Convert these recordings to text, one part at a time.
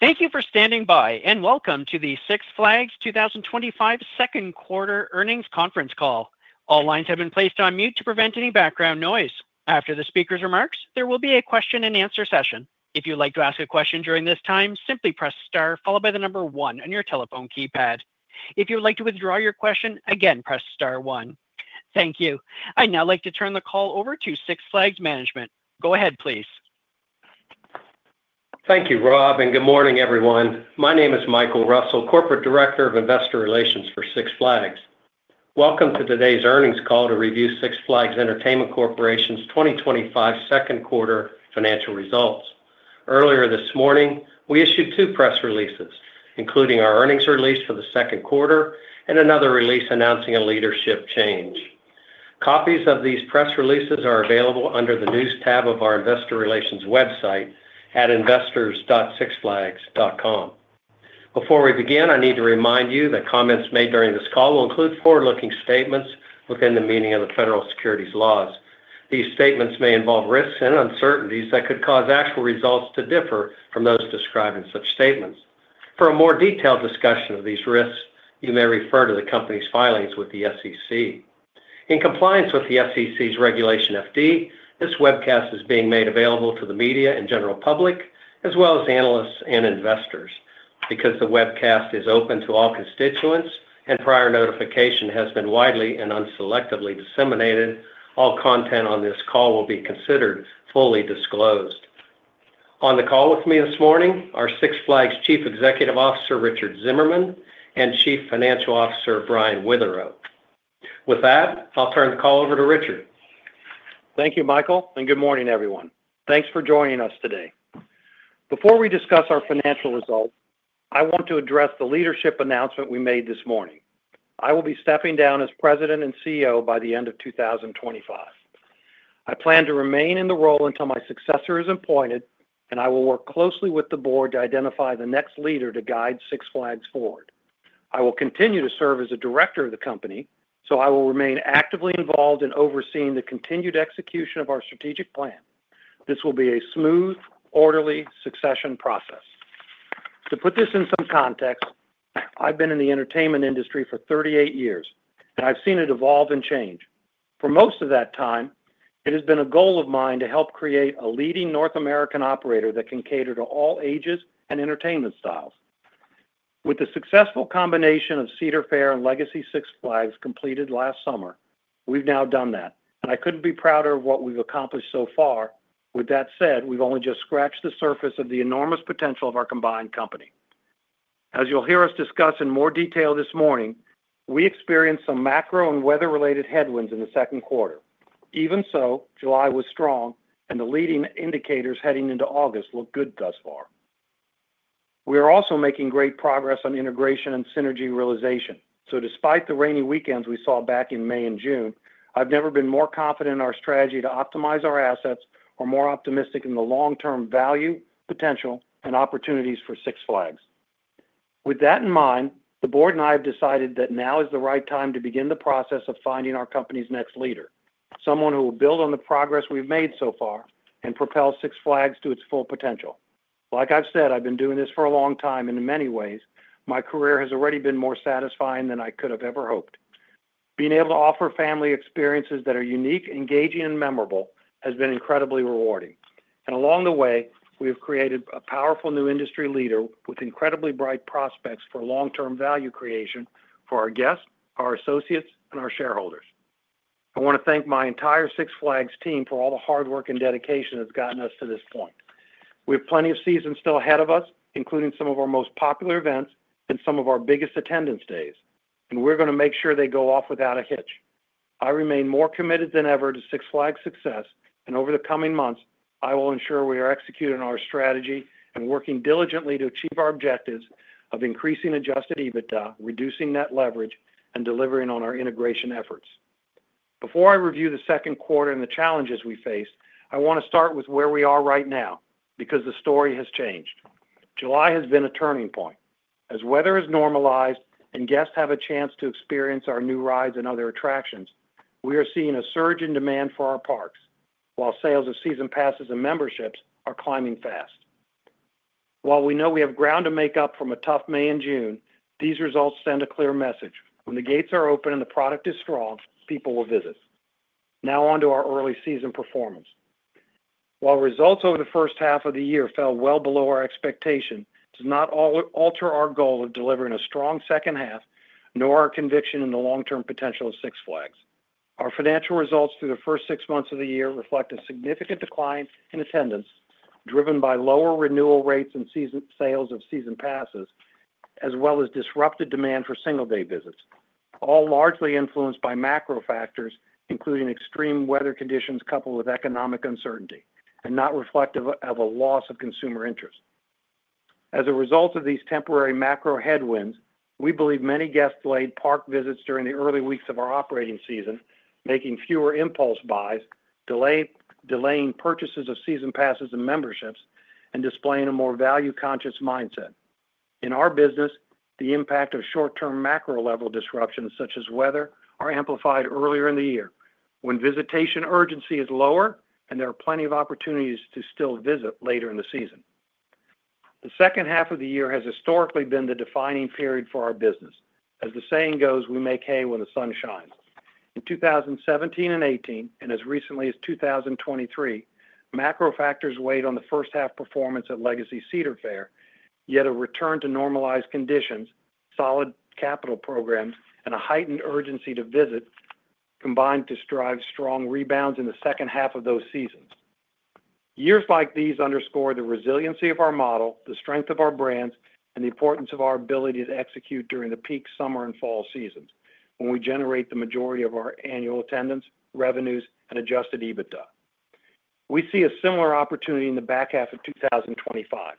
Thank you for standing by and welcome to the Six Flag 2025 Second Quarter Earnings Conference Call. All lines have been placed on mute to prevent any background noise. After the speaker's remarks, there will be a question and answer session. If you would like to ask a question during this time, simply press star, followed by the number one on your telephone keypad. If you would like to withdraw your question, again, press star one. Thank you. I'd now like to turn the call over to Six Flags Management. Go ahead, please. Thank you, Rob, and good morning, everyone. My name is Michael Russell, Corporate Director of Investor Relations for Six Flags. Welcome to today's earnings call to review Six Flags Entertainment Corporation's 2025 Second Quarter Financial Results. Earlier this morning, we issued two press releases, including our earnings release for the second quarter and another release announcing a leadership change. Copies of these press releases are available under the News tab of our Investor Relations website at investors.sixflags.com. Before we begin, I need to remind you that comments made during this call will include forward-looking statements within the meaning of the Federal Securities Laws. These statements may involve risks and uncertainties that could cause actual results to differ from those described in such statements. For a more detailed discussion of these risks, you may refer to the company's filings with the SEC. In compliance with the SEC's Regulation FD, this webcast is being made available to the media and general public, as well as analysts and investors. Because the webcast is open to all constituents and prior notification has been widely and unselectively disseminated, all content on this call will be considered fully disclosed. On the call with me this morning are Six Flags Chief Executive Officer Richard Zimmerman and Chief Financial Officer Brian Witherow. With that, I'll turn the call over to Richard. Thank you, Michael, and good morning, everyone. Thanks for joining us today. Before we discuss our financial results, I want to address the leadership announcement we made this morning. I will be stepping down as President and CEO by the end of 2025. I plan to remain in the role until my successor is appointed, and I will work closely with the board to identify the next leader to guide Six Flags forward. I will continue to serve as a Director of the company, so I will remain actively involved in overseeing the continued execution of our strategic plan. This will be a smooth, orderly succession process. To put this in some context, I've been in the entertainment industry for 38 years, and I've seen it evolve and change. For most of that time, it has been a goal of mine to help create a leading North American operator that can cater to all ages and entertainment styles. With the successful combination of Cedar Fair and Legacy Six Flags completed last summer, we've now done that, and I couldn't be prouder of what we've accomplished so far. That said, we've only just scratched the surface of the enormous potential of our combined company. As you'll hear us discuss in more detail this morning, we experienced some macro-economic and weather-related headwinds in second quarter. Even so, July was strong, and the leading indicators heading into August look good thus far. We are also making great progress on integration and synergy realization. Despite the rainy weekends we saw back in May and June, I've never been more confident in our strategy to optimize our assets or more optimistic in the long-term value, potential, and opportunities for Six Flags. With that in mind, the board and I have decided that now is the right time to begin the process of finding our company's next leader, someone who will build on the progress we've made so far and propel Six Flags to its full potential. Like I've said, I've been doing this for a long time, and in many ways, my career has already been more satisfying than I could have ever hoped. Being able to offer family experiences that are unique, engaging, and memorable has been incredibly rewarding. Along the way, we have created a powerful new industry leader with incredibly bright prospects for long-term value creation for our guests, our associates, and our shareholders. I want to thank my entire Six Flags team for all the hard work and dedication that's gotten us to this point. We have plenty of seasons still ahead of us, including some of our most popular events and some of our biggest attendance days, and we're going to make sure they go off without a hitch. I remain more committed than ever to Six Flags' success, and over the coming months, I will ensure we are executing on our strategy and working diligently to achieve our objectives of increasing adjusted EBITDA, reducing net leverage, and delivering on our integration efforts. Before I review the second quarter and the challenges we faced, I want to start with where we are right now because the story has changed. July has been a turning point. As weather has normalized and guests have a chance to experience our new rides and other attractions, we are seeing a surge in demand for our parks, while sales of season passes and memberships are climbing fast. While we know we have ground to make up from a tough May and June, these results send a clear message: when the gates are open and the product is strong, people will visit. Now on to our early season performance. While results over the first half of the year fell well below our expectation, it does not alter our goal of delivering a strong second half, nor our conviction in the long-term potential of Six Flags. Our financial results through the first six months of the year reflect a significant decline in attendance, driven by lower renewal rates and sales of season passes, as well as disrupted demand for single-day visits, all largely influenced by macro factors, including extreme weather conditions coupled with economic uncertainty, and not reflective of a loss of consumer interest. As a result of these temporary macro headwinds, we believe many guests delayed park visits during the early weeks of our operating season, making fewer impulse buys, delaying purchases of season passes and memberships, and displaying a more value-conscious mindset. In our business, the impact of short-term macro-level disruptions such as weather are amplified earlier in the year, when visitation urgency is lower and there are plenty of opportunities to still visit later in the season. The second half of the year has historically been the defining period for our business. As the saying goes, we make hay when the sun shines. In 2017 and 2018, and as recently as 2023, macro factors weighed on the first half performance at Legacy Cedar Fair, yet a return to normalized conditions, solid capital programs, and a heightened urgency to visit combined to drive strong rebounds in the second half of those seasons. Years like these underscore the resiliency of our model, the strength of our brands, and the importance of our ability to execute during the peak summer and fall seasons, when we generate the majority of our annual attendance, revenues, and adjusted EBITDA. We see a similar opportunity in the back half of 2025.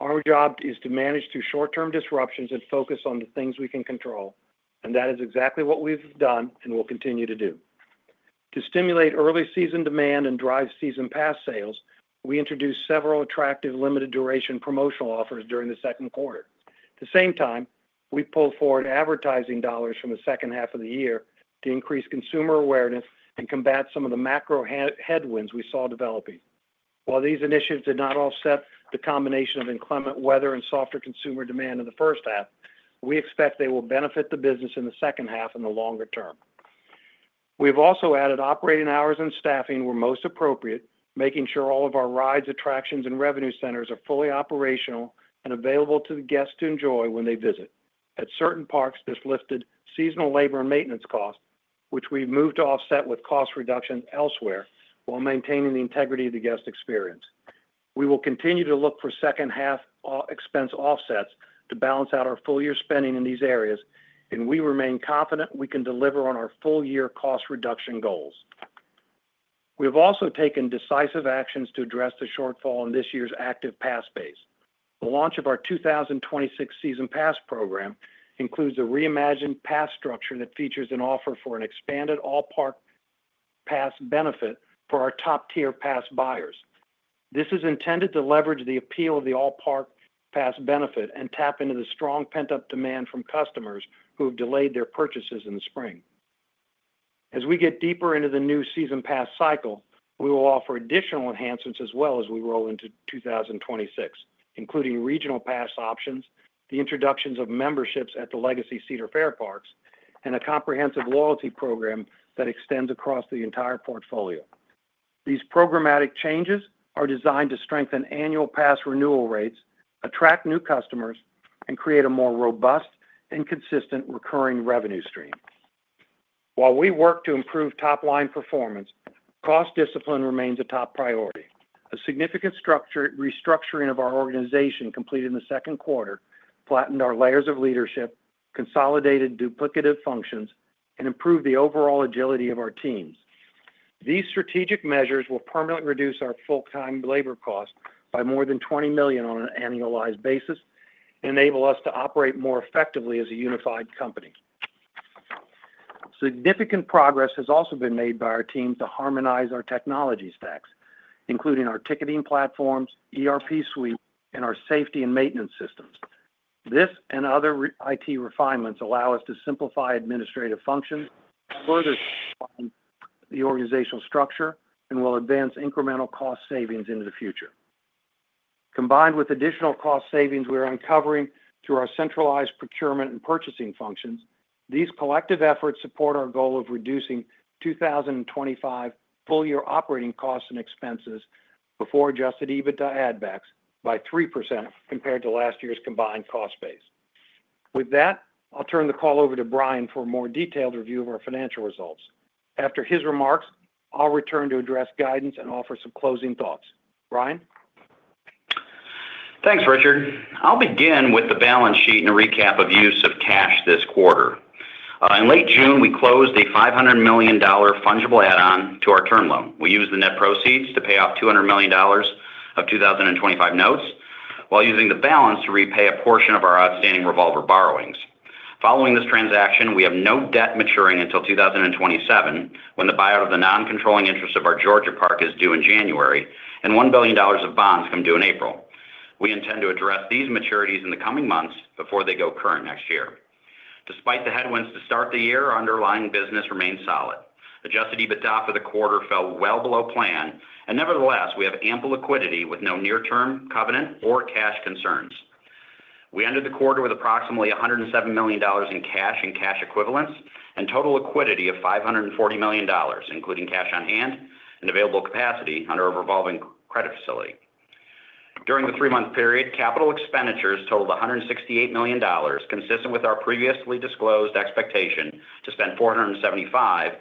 Our job is to manage through short-term disruptions and focus on the things we can control, and that is exactly what we've done and will continue to do. To stimulate early season demand and drive season pass sales, we introduced several attractive limited duration promotional offers during the second quarter. At the same time, we pulled forward advertising dollars from the second half of the year to increase consumer awareness and combat some of the macro headwinds we saw developing. While these initiatives did not offset the combination of inclement weather and softer consumer demand in the first half, we expect they will benefit the business in the second half in the longer term. We've also added operating hours and staffing where most appropriate, making sure all of our rides, attractions, and revenue centers are fully operational and available to the guests to enjoy when they visit. At certain parks, this lifted seasonal labor and maintenance costs, which we've moved to offset with cost reduction elsewhere, while maintaining the integrity of the guest experience. We will continue to look for second half expense offsets to balance out our full year spending in these areas, and we remain confident we can deliver on our full year cost reduction goals. We have also taken decisive actions to address the shortfall in this year's active pass base. The launch of our 2026 season pass program includes a reimagined pass structure that features an offer for an expanded all-park pass benefit for our top-tier pass buyers. This is intended to leverage the appeal of the all-park pass benefit and tap into the strong pent-up demand from customers who have delayed their purchases in the spring. As we get deeper into the new season pass cycle, we will offer additional enhancements as well as we roll into 2026, including regional pass options, the introductions of memberships at the Legacy Cedar Fair parks, and a comprehensive loyalty program that extends across the entire portfolio. These programmatic changes are designed to strengthen annual pass renewal rates, attract new customers, and create a more robust and consistent recurring revenue stream. While we work to improve top-line performance, cost discipline remains a top priority. A significant restructuring of our organization completed in the second quarter flattened our layers of leadership, consolidated duplicative functions, and improved the overall agility of our teams. These strategic measures will permanently reduce our full-time labor costs by more than $20 million on an annualized basis and enable us to operate more effectively as a unified company. Significant progress has also been made by our team to harmonize our technology stacks, including our ticketing platforms, ERP suite, and our safety and maintenance systems. This and other IT refinements allow us to simplify administrative functions, further refine the organizational structure, and will advance incremental cost savings into the future. Combined with additional cost savings we are uncovering through our centralized procurement and purchasing functions, these collective efforts support our goal of reducing 2025 full-year operating costs and expenses before adjusted EBITDA add-backs by 3% compared to last year's combined cost base. With that, I'll turn the call over to Brian for a more detailed review of our financial results. After his remarks, I'll return to address guidance and offer some closing thoughts. Brian? Thanks, Richard. I'll begin with the balance sheet and a recap of use of cash this quarter. In late June, we closed a $500 million fungible add-on to our term loan. We used the net proceeds to pay off $200 million of 2025 notes, while using the balance to repay a portion of our outstanding revolver borrowings. Following this transaction, we have no debt maturing until 2027, when the buyout of the non-controlling interest of our Georgia park is due in January, and $1 billion of bonds come due in April. We intend to address these maturities in the coming months before they go current next year. Despite the headwinds to start the year, our underlying business remains solid. Adjusted EBITDA for the quarter fell well below plan, and nevertheless, we have ample liquidity with no near-term, covenant, or cash concerns. We ended the quarter with approximately $107 million in cash and cash equivalents and total liquidity of $540 million, including cash on hand and available capacity under a revolving credit facility. During the three-month period, capital expenditures totaled $168 million, consistent with our previously disclosed expectation to spend $475-$500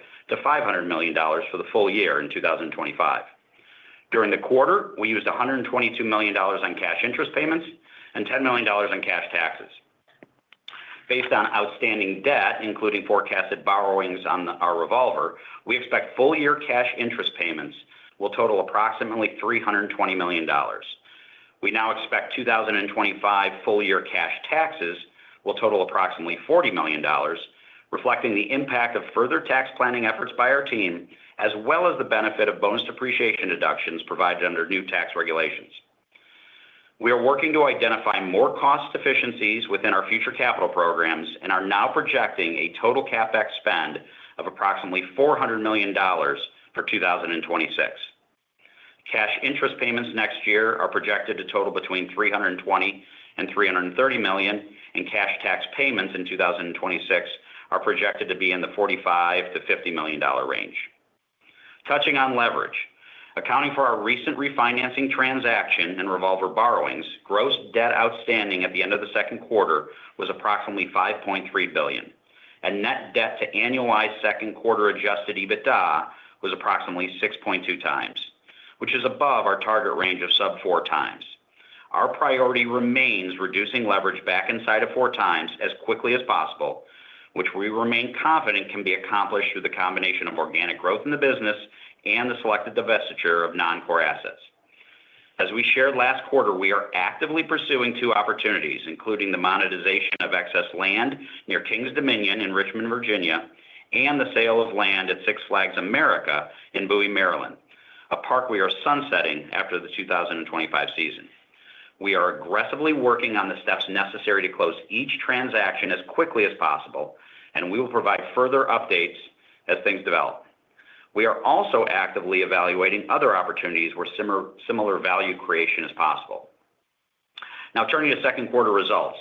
million for the full year in 2025. During the quarter, we used $122 million on cash interest payments and $10 million in cash taxes. Based on outstanding debt, including forecasted borrowings on our revolver, we expect full-year cash interest payments will total approximately $320 million. We now expect 2025 full-year cash taxes will total approximately $40 million, reflecting the impact of further tax planning efforts by our team, as well as the benefit of bonus depreciation deductions provided under new tax regulations. We are working to identify more cost efficiencies within our future capital programs and are now projecting a total capex spend of approximately $400 million per 2026. Cash interest payments next year are projected to total between $320-$330 million, and cash tax payments in 2026 are projected to be in the $45-$50 million range. Touching on leverage, accounting for our recent refinancing transaction and revolver borrowings, gross debt outstanding at the end of the second quarter was approximately $5.3 billion, and net debt to annualized second quarter adjusted EBITDA was approximately 6.2 times, which is above our target range of sub-four times. Our priority remains reducing leverage back inside of 4 times as quickly as possible, which we remain confident can be accomplished through the combination of organic growth in the business and the selected divestiture of non-core assets. As we shared last quarter, we are actively pursuing two opportunities, including the monetization of excess land near King’s Dominion in Richmond, Virginia, and the sale of land at Six Flags America in Bowie, Maryland, a park we are sunsetting after the 2025 season. We are aggressively working on the steps necessary to close each transaction as quickly as possible, and we will provide further updates as things develop. We are also actively evaluating other opportunities where similar value creation is possible. Now, turning to second quarter results,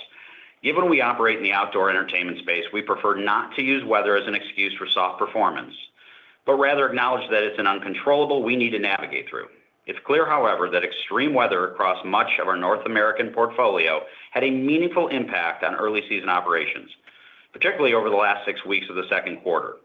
given we operate in the outdoor entertainment space, we prefer not to use weather as an excuse for soft performance, but rather acknowledge that it’s an uncontrollable we need to navigate through. It’s clear, however, that extreme weather across much of our North American portfolio had a meaningful impact on early season operations, particularly over the last six weeks of the second quarter.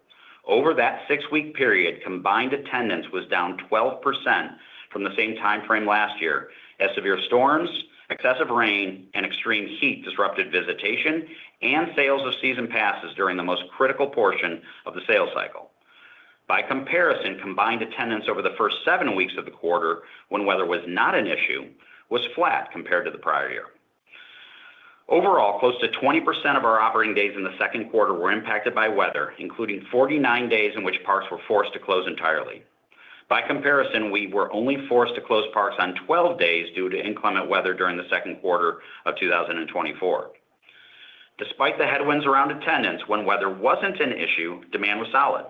Over that six-week period, combined attendance was down 12% from the same timeframe last year, as severe storms, excessive rain, and extreme heat disrupted visitation and sales of season passes during the most critical portion of the sales cycle. By comparison, combined attendance over the first seven weeks of the quarter, when weather was not an issue, was flat compared to the prior year. Overall, close to 20% of our operating days in the second quarter were impacted by weather, including 49 days in which parks were forced to close entirely. By comparison, we were only forced to close parks on 12 days due to inclement weather during the second quarter of 2024. Despite the headwinds around attendance, when weather wasn’t an issue, demand was solid,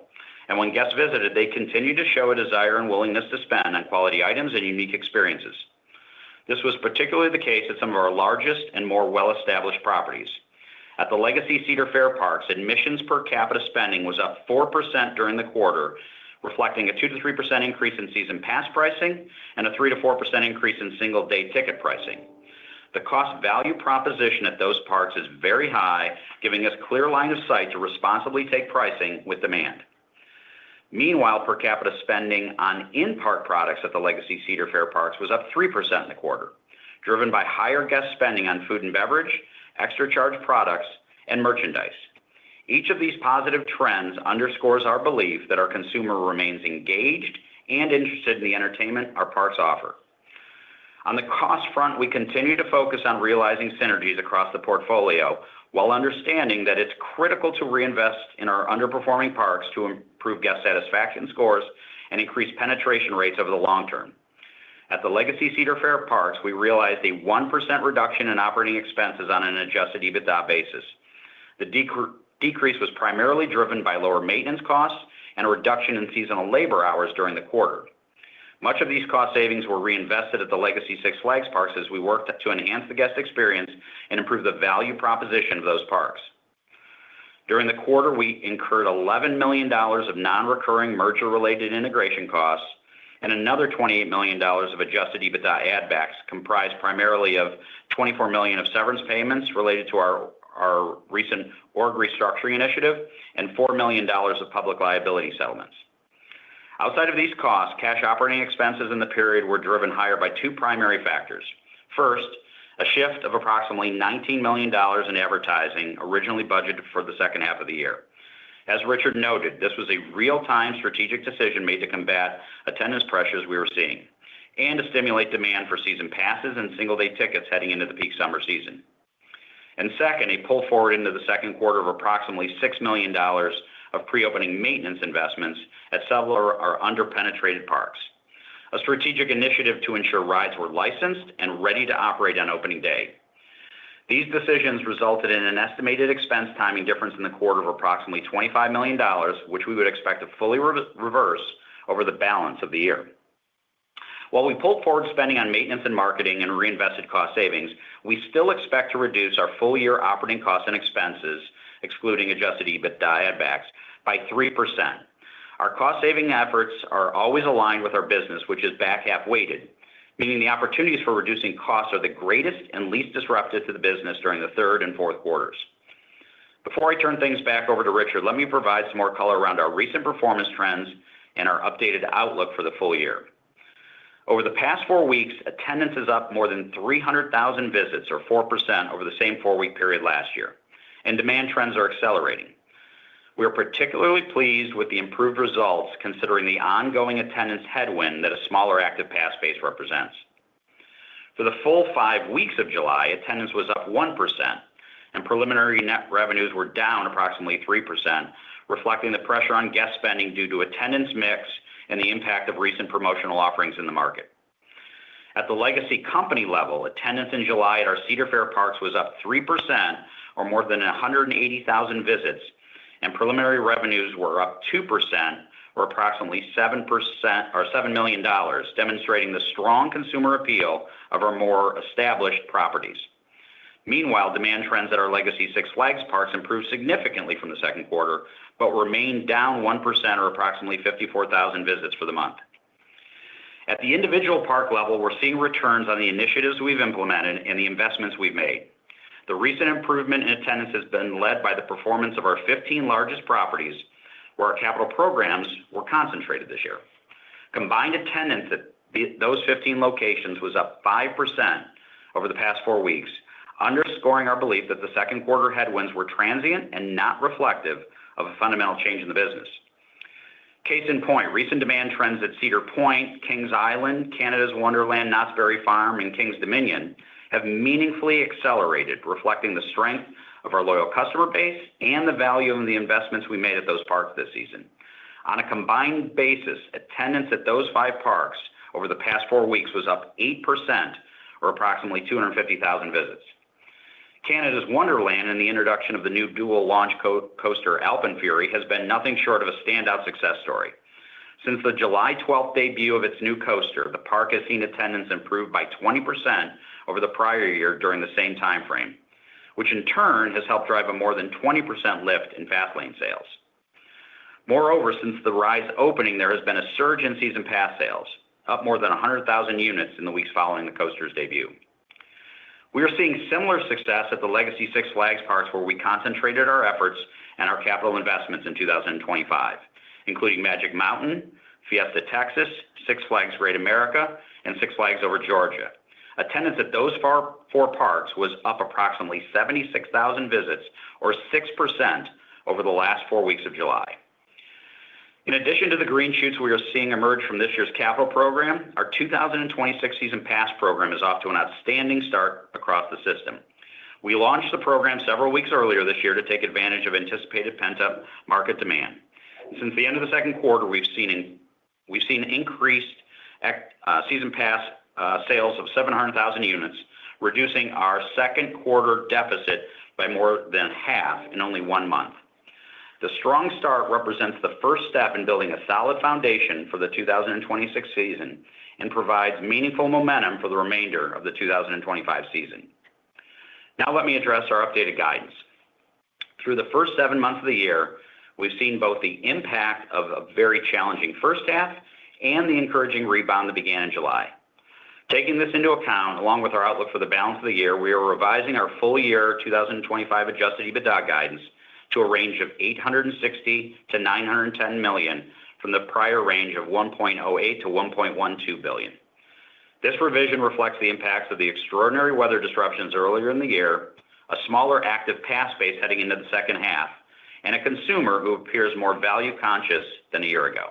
and when guests visited, they continued to show a desire and willingness to spend on quality items and unique experiences. This was particularly the case at some of our largest and more well-established properties. At the Legacy Cedar Fair parks, admissions per capita spending was up 4% during the quarter, reflecting a 2%-3% increase in season pass pricing and a 3%-4% increase in single-day ticket pricing. The cost value proposition at those parks is very high, giving us clear line of sight to responsibly take pricing with demand. Meanwhile, per capita spending on in-park products at the Legacy Cedar Fair parks was up 3% in the quarter, driven by higher guest spending on food and beverage, extra charge products, and merchandise. Each of these positive trends underscores our belief that our consumer remains engaged and interested in the entertainment our parks offer. On the cost front, we continue to focus on realizing synergies across the portfolio while understanding that it's critical to reinvest in our underperforming parks to improve guest satisfaction scores and increase penetration rates over the long term. At the Legacy Cedar Fair parks, we realized a 1% reduction in operating expenses on an adjusted EBITDA basis. The decrease was primarily driven by lower maintenance costs and a reduction in seasonal labor hours during the quarter. Much of these cost savings were reinvested at the Legacy Six Flags parks as we worked to enhance the guest experience and improve the value proposition of those parks. During the quarter, we incurred $11 million of non-recurring merger-related integration costs and another $28 million of adjusted EBITDA add-backs, comprised primarily of $24 million of severance payments related to our recent org restructuring initiative and $4 million of public liability settlements. Outside of these costs, cash operating expenses in the period were driven higher by two primary factors. First, a shift of approximately $19 million in advertising originally budgeted for the second half of the year. As Richard noted, this was a real-time strategic decision made to combat attendance pressures we were seeing and to stimulate demand for season passes and single-day tickets heading into the peak summer season. Second, a pull forward into the second quarter of approximately $6 million of pre-opening maintenance investments at several of our underpenetrated parks, a strategic initiative to ensure rides were licensed and ready to operate on opening day. These decisions resulted in an estimated expense timing difference in the quarter of approximately $25 million, which we would expect to fully reverse over the balance of the year. While we pulled forward spending on maintenance and marketing and reinvested cost savings, we still expect to reduce our full-year operating costs and expenses, excluding adjusted EBITDA add-backs, by 3%. Our cost-saving efforts are always aligned with our business, which is back half weighted, meaning the opportunities for reducing costs are the greatest and least disruptive to the business during the third and fourth quarters. Before I turn things back over to Richard, let me provide some more color around our recent performance trends and our updated outlook for the full year. Over the past four weeks, attendance is up more than 300,000 visits, or 4% over the same four-week period last year, and demand trends are accelerating. We are particularly pleased with the improved results, considering the ongoing attendance headwind that a smaller active pass base represents. For the full five weeks of July, attendance was up 1%, and preliminary net revenues were down approximately 3%, reflecting the pressure on guest spending due to attendance mix and the impact of recent promotional offerings in the market. At the legacy company level, attendance in July at our Cedar Fair parks was up 3%, or more than 180,000 visits, and preliminary revenues were up 2%, or approximately $7 million, demonstrating the strong consumer appeal of our more established properties. Meanwhile, demand trends at our legacy Six Flags parks improved significantly from the second quarter, but remained down 1%, or approximately 54,000 visits for the month. At the individual park level, we're seeing returns on the initiatives we've implemented and the investments we've made. The recent improvement in attendance has been led by the performance of our 15 largest properties, where our capital programs were concentrated this year. Combined attendance at those 15 locations was up 5% over the past four weeks, underscoring our belief that the second quarter headwinds were transient and not reflective of a fundamental change in the business. Case in point, recent demand trends at Cedar Point, King's Island, Canada's Wonderland, Knott's Berry Farm, and King's Dominion have meaningfully accelerated, reflecting the strength of our loyal customer base and the value of the investments we made at those parks this season. On a combined basis, attendance at those five parks over the past four weeks was up 8%, or approximately 250,000 visits. Canada's Wonderland and the introduction of the new dual launch coaster Alpine Fury has been nothing short of a standout success story. Since the July 12 debut of its new coaster, the park has seen attendance improve by 20% over the prior year during the same timeframe, which in turn has helped drive a more than 20% lift in bath lane sales. Moreover, since the ride's opening, there has been a surge in season pass sales, up more than 100,000 units in the weeks following the coaster's debut. We are seeing similar success at the legacy Six Flags parks where we concentrated our efforts and our capital investments in 2025, including Magic Mountain, Fiesta Texas, Six Flags Great America, and Six Flags Over Georgia. Attendance at those four parks was up approximately 76,000 visits, or 6% over the last four weeks of July. In addition to the green shoots we are seeing emerge from this year's capital program, our 2026 season pass program is off to an outstanding start across the system. We launched the program several weeks earlier this year to take advantage of anticipated pent-up market demand. Since the end of the second quarter, we've seen increased season pass sales of 700,000 units, reducing our second quarter deficit by more than half in only one month. The strong start represents the first step in building a solid foundation for the 2026 season and provides meaningful momentum for the remainder of the 2025 season. Now let me address our updated guidance. Through the first seven months of the year, we've seen both the impact of a very challenging first half and the encouraging rebound that began in July. Taking this into account, along with our outlook for the balance of the year, we are revising our full-year 2025 adjusted EBITDA guidance to a range of $860 million-$910 million from the prior range of $1.08 billion-$1.12 billion. This revision reflects the impacts of the extraordinary weather disruptions earlier in the year, a smaller active pass base heading into the second half, and a consumer who appears more value-conscious than a year ago.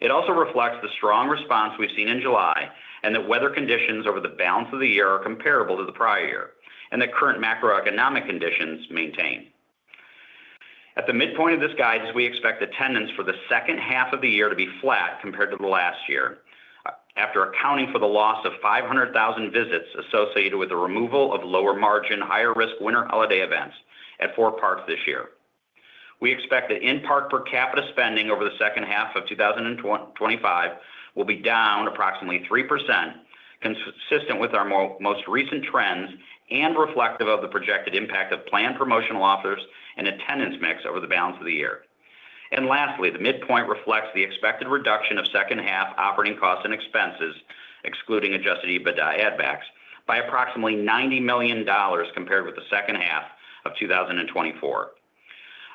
It also reflects the strong response we've seen in July and that weather conditions over the balance of the year are comparable to the prior year and that current macro-economic conditions maintain. At the midpoint of this guidance, we expect attendance for the second half of the year to be flat compared to last year, after accounting for the loss of 500,000 visits associated with the removal of lower margin, higher risk winter holiday events at four parks this year. We expect that in-park per capita spending over the second half of 2025 will be down approximately 3%, consistent with our most recent trends and reflective of the projected impact of planned promotional offers and attendance mix over the balance of the year. Lastly, the midpoint reflects the expected reduction of second half operating costs and expenses, excluding adjusted EBITDA add-backs, by approximately $90 million compared with the second half of 2024.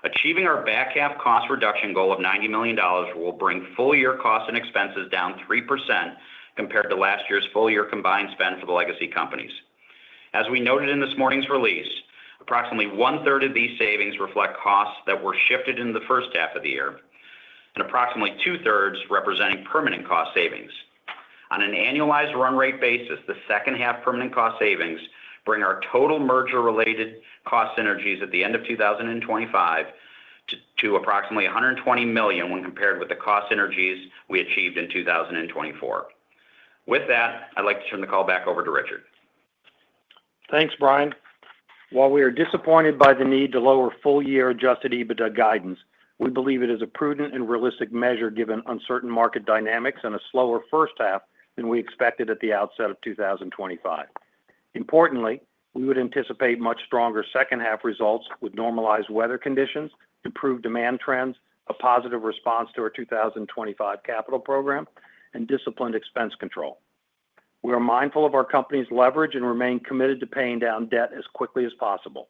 Achieving our back half cost reduction goal of $90 million will bring full-year costs and expenses down 3% compared to last year's full-year combined spend for the legacy companies. As we noted in this morning's release, approximately one-third of these savings reflect costs that were shifted in the first half of the year and approximately two-thirds representing permanent cost savings. On an annualized run rate basis, the second half permanent cost savings bring our total merger-related cost synergies at the end of 2025 to approximately $120 million when compared with the cost synergies we achieved in 2024. With that, I'd like to turn the call back over to Richard. Thanks, Brian. While we are disappointed by the need to lower full-year adjusted EBITDA guidance, we believe it is a prudent and realistic measure given uncertain market dynamics and a slower first half than we expected at the outset of 2025. Importantly, we would anticipate much stronger second half results with normalized weather conditions, improved demand trends, a positive response to our 2025 capital program, and disciplined expense control. We are mindful of our company's leverage and remain committed to paying down debt as quickly as possible.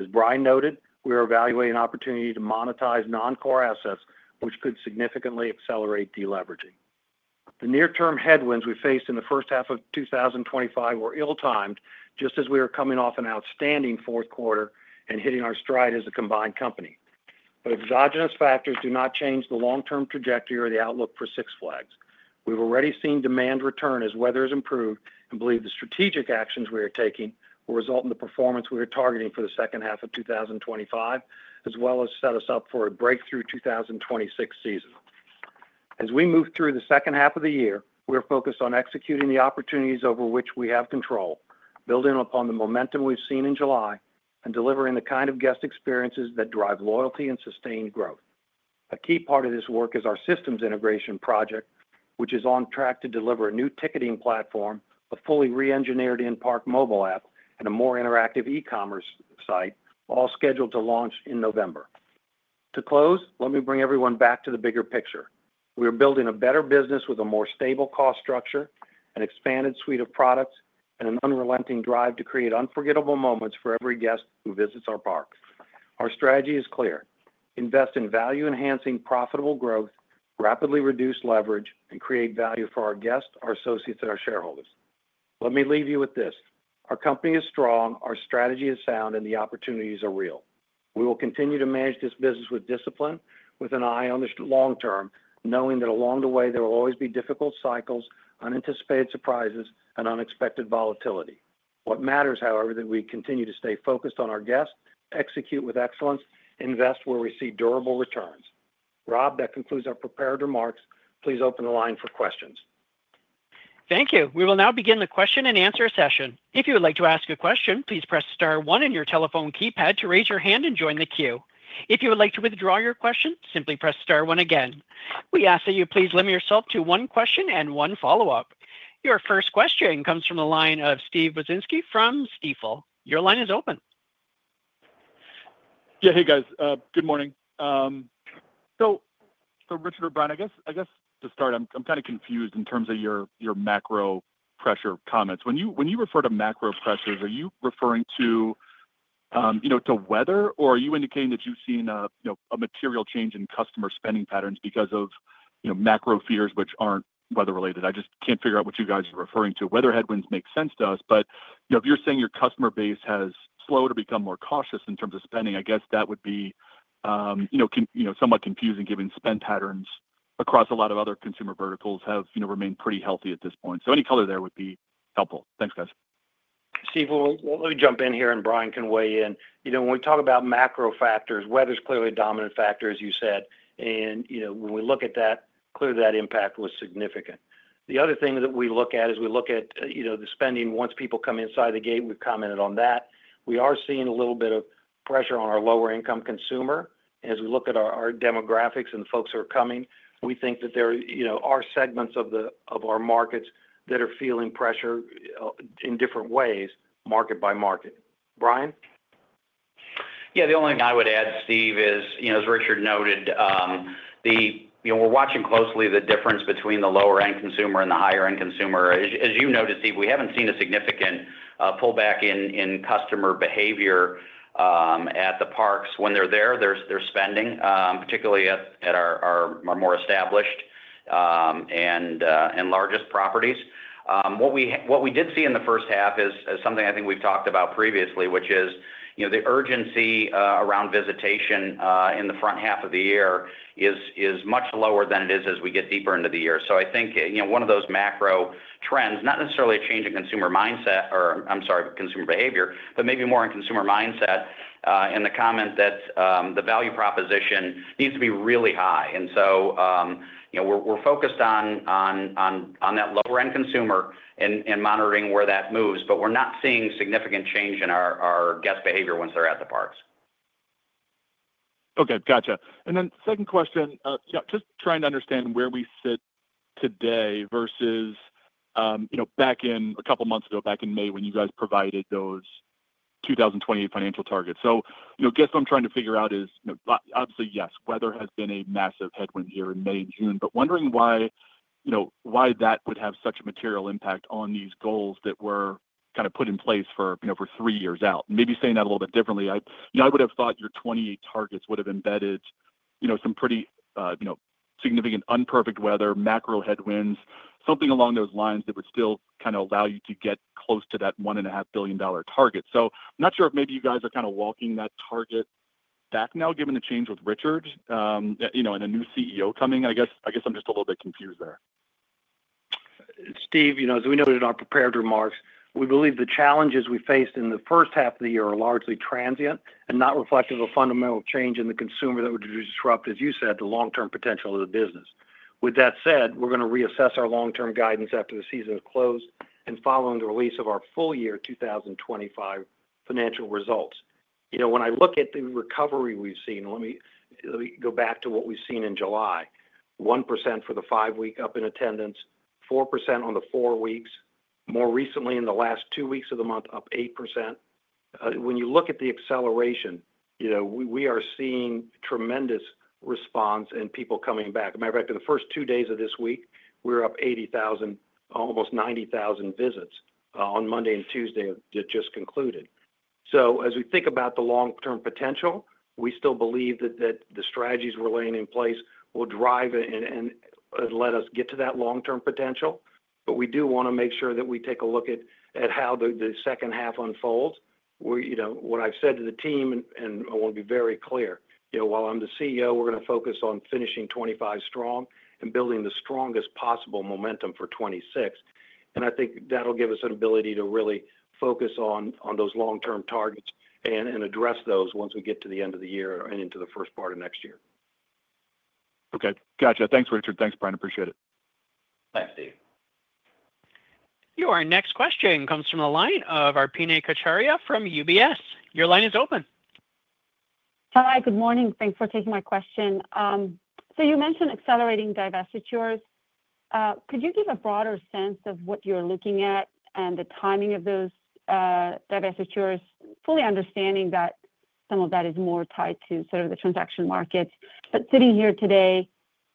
As Brian noted, we are evaluating an opportunity to monetize non-core assets, which could significantly accelerate deleveraging. The near-term headwinds we faced in the first half of 2025 were ill-timed, just as we are coming off an outstanding fourth quarter and hitting our stride as a combined company. Exogenous factors do not change the long-term trajectory or the outlook for Six Flags. We've already seen demand return as weather has improved and believe the strategic actions we are taking will result in the performance we are targeting for the second half of 2025, as well as set us up for a breakthrough 2026 season. As we move through the second half of the year, we are focused on executing the opportunities over which we have control, building upon the momentum we've seen in July, and delivering the kind of guest experiences that drive loyalty and sustained growth. A key part of this work is our systems integration project, which is on track to deliver a new ticketing platform, a fully re-engineered in-park mobile app, and a more interactive e-commerce site, all scheduled to launch in November. To close, let me bring everyone back to the bigger picture. We are building a better business with a more stable cost structure, an expanded suite of products, and an unrelenting drive to create unforgettable moments for every guest who visits our parks. Our strategy is clear: invest in value-enhancing, profitable growth, rapidly reduce leverage, and create value for our guests, our associates, and our shareholders. Let me leave you with this: our company is strong, our strategy is sound, and the opportunities are real. We will continue to manage this business with discipline, with an eye on the long term, knowing that along the way there will always be difficult cycles, unanticipated surprises, and unexpected volatility. What matters, however, is that we continue to stay focused on our guests, execute with excellence, and invest where we see durable returns. Rob, that concludes our prepared remarks. Please open the line for questions. Thank you. We will now begin the question and answer session. If you would like to ask a question, please press star one on your telephone keypad to raise your hand and join the queue. If you would like to withdraw your question, simply press star one again. We ask that you please limit yourself to one question and one follow-up. Your first question comes from the line of Steve Wieczynski from Stifel. Your line is open. Yeah, hey guys. Good morning. Richard or Brian, I guess to start, I'm kind of confused in terms of your macro pressure comments. When you refer to macro pressures, are you referring to weather, or are you indicating that you've seen a material change in customer spending patterns because of macro fears which aren't weather related? I just can't figure out what you guys are referring to. Weather headwinds make sense to us, but if you're saying your customer base has slowed or become more cautious in terms of spending, I guess that would be somewhat confusing given spend patterns across a lot of other consumer verticals have remained pretty healthy at this point. Any color there would be helpful. Thanks, guys. Steve, let me jump in here and Brian can weigh in. You know, when we talk about macro factors, weather's clearly a dominant factor, as you said, and, you know, when we look at that, clearly that impact was significant. The other thing that we look at is we look at, you know, the spending once people come inside the gate. We've commented on that. We are seeing a little bit of pressure on our lower-income consumer. As we look at our demographics and folks who are coming, we think that there, you know, are segments of our markets that are feeling pressure in different ways, market by market. Brian? Yeah, the only thing I would add, Steve, is, as Richard noted, we're watching closely the difference between the lower-end consumer and the higher-end consumer. As you noticed, Steve, we haven't seen a significant pullback in customer behavior at the parks. When they're there, they're spending, particularly at our more established and largest properties. What we did see in the first half is something I think we've talked about previously, which is the urgency around visitation in the front half of the year is much lower than it is as we get deeper into the year. I think one of those macro trends, not necessarily a change in consumer mindset, or, I'm sorry, consumer behavior, but maybe more in consumer mindset in the comment that the value proposition needs to be really high. We're focused on that lower-end consumer and monitoring where that moves, but we're not seeing significant change in our guest behavior once they're at the parks. Okay, gotcha. Second question, just trying to understand where we sit today versus, you know, back in a couple months ago, back in May when you guys provided those 2028 financial targets. I guess what I'm trying to figure out is, obviously, yes, weather has been a massive headwind here in May and June, but wondering why that would have such a material impact on these goals that were kind of put in place for three years out. Maybe saying that a little bit differently, I would have thought your 2028 targets would have embedded some pretty significant unperfect weather, macro headwinds, something along those lines that would still kind of allow you to get close to that $1.5 billion target. I'm not sure if maybe you guys are kind of walking that target back now, given the change with Richard, you know, and a new CEO coming. I guess I'm just a little bit confused there. Steve, as we noted in our prepared remarks, we believe the challenges we faced in the first half of the year are largely transient and not reflective of a fundamental change in the consumer that would disrupt, as you said, the long-term potential of the business. With that said, we're going to reassess our long-term guidance after the season is closed and following the release of our full-year 2025 financial results. When I look at the recovery we've seen, let me go back to what we've seen in July: 1% for the five-week up in attendance, 4% on the four weeks, more recently in the last two weeks of the month, up 8%. When you look at the acceleration, we are seeing tremendous response and people coming back. As a matter of fact, in the first two days of this week, we were up 80,000, almost 90,000 visits on Monday and Tuesday that just concluded. As we think about the long-term potential, we still believe that the strategies we're laying in place will drive and let us get to that long-term potential, but we do want to make sure that we take a look at how the second half unfolds. What I've said to the team, and I want to be very clear, while I'm the CEO, we're going to focus on finishing 2025 strong and building the strongest possible momentum for 2026. I think that'll give us an ability to really focus on those long-term targets and address those once we get to the end of the year and into the first part of next year. Okay, gotcha. Thanks, Richard. Thanks, Brian. Appreciate it. Thanks, Steve. Your next question comes from the line of Arpine Kocharian from UBS. Your line is open. Hi, good morning. Thanks for taking my question. You mentioned accelerating divestitures. Could you give a broader sense of what you're looking at and the timing of those divestitures, fully understanding that some of that is more tied to the transaction markets? Sitting here today,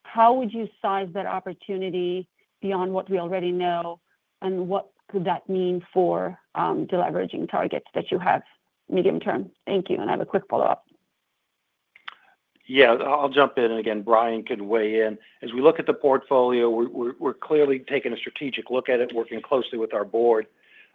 how would you size that opportunity beyond what we already know and what could that mean for deleveraging targets that you have medium term? Thank you. I have a quick follow-up. I'll jump in. Brian could weigh in. As we look at the portfolio, we're clearly taking a strategic look at it, working closely with our board.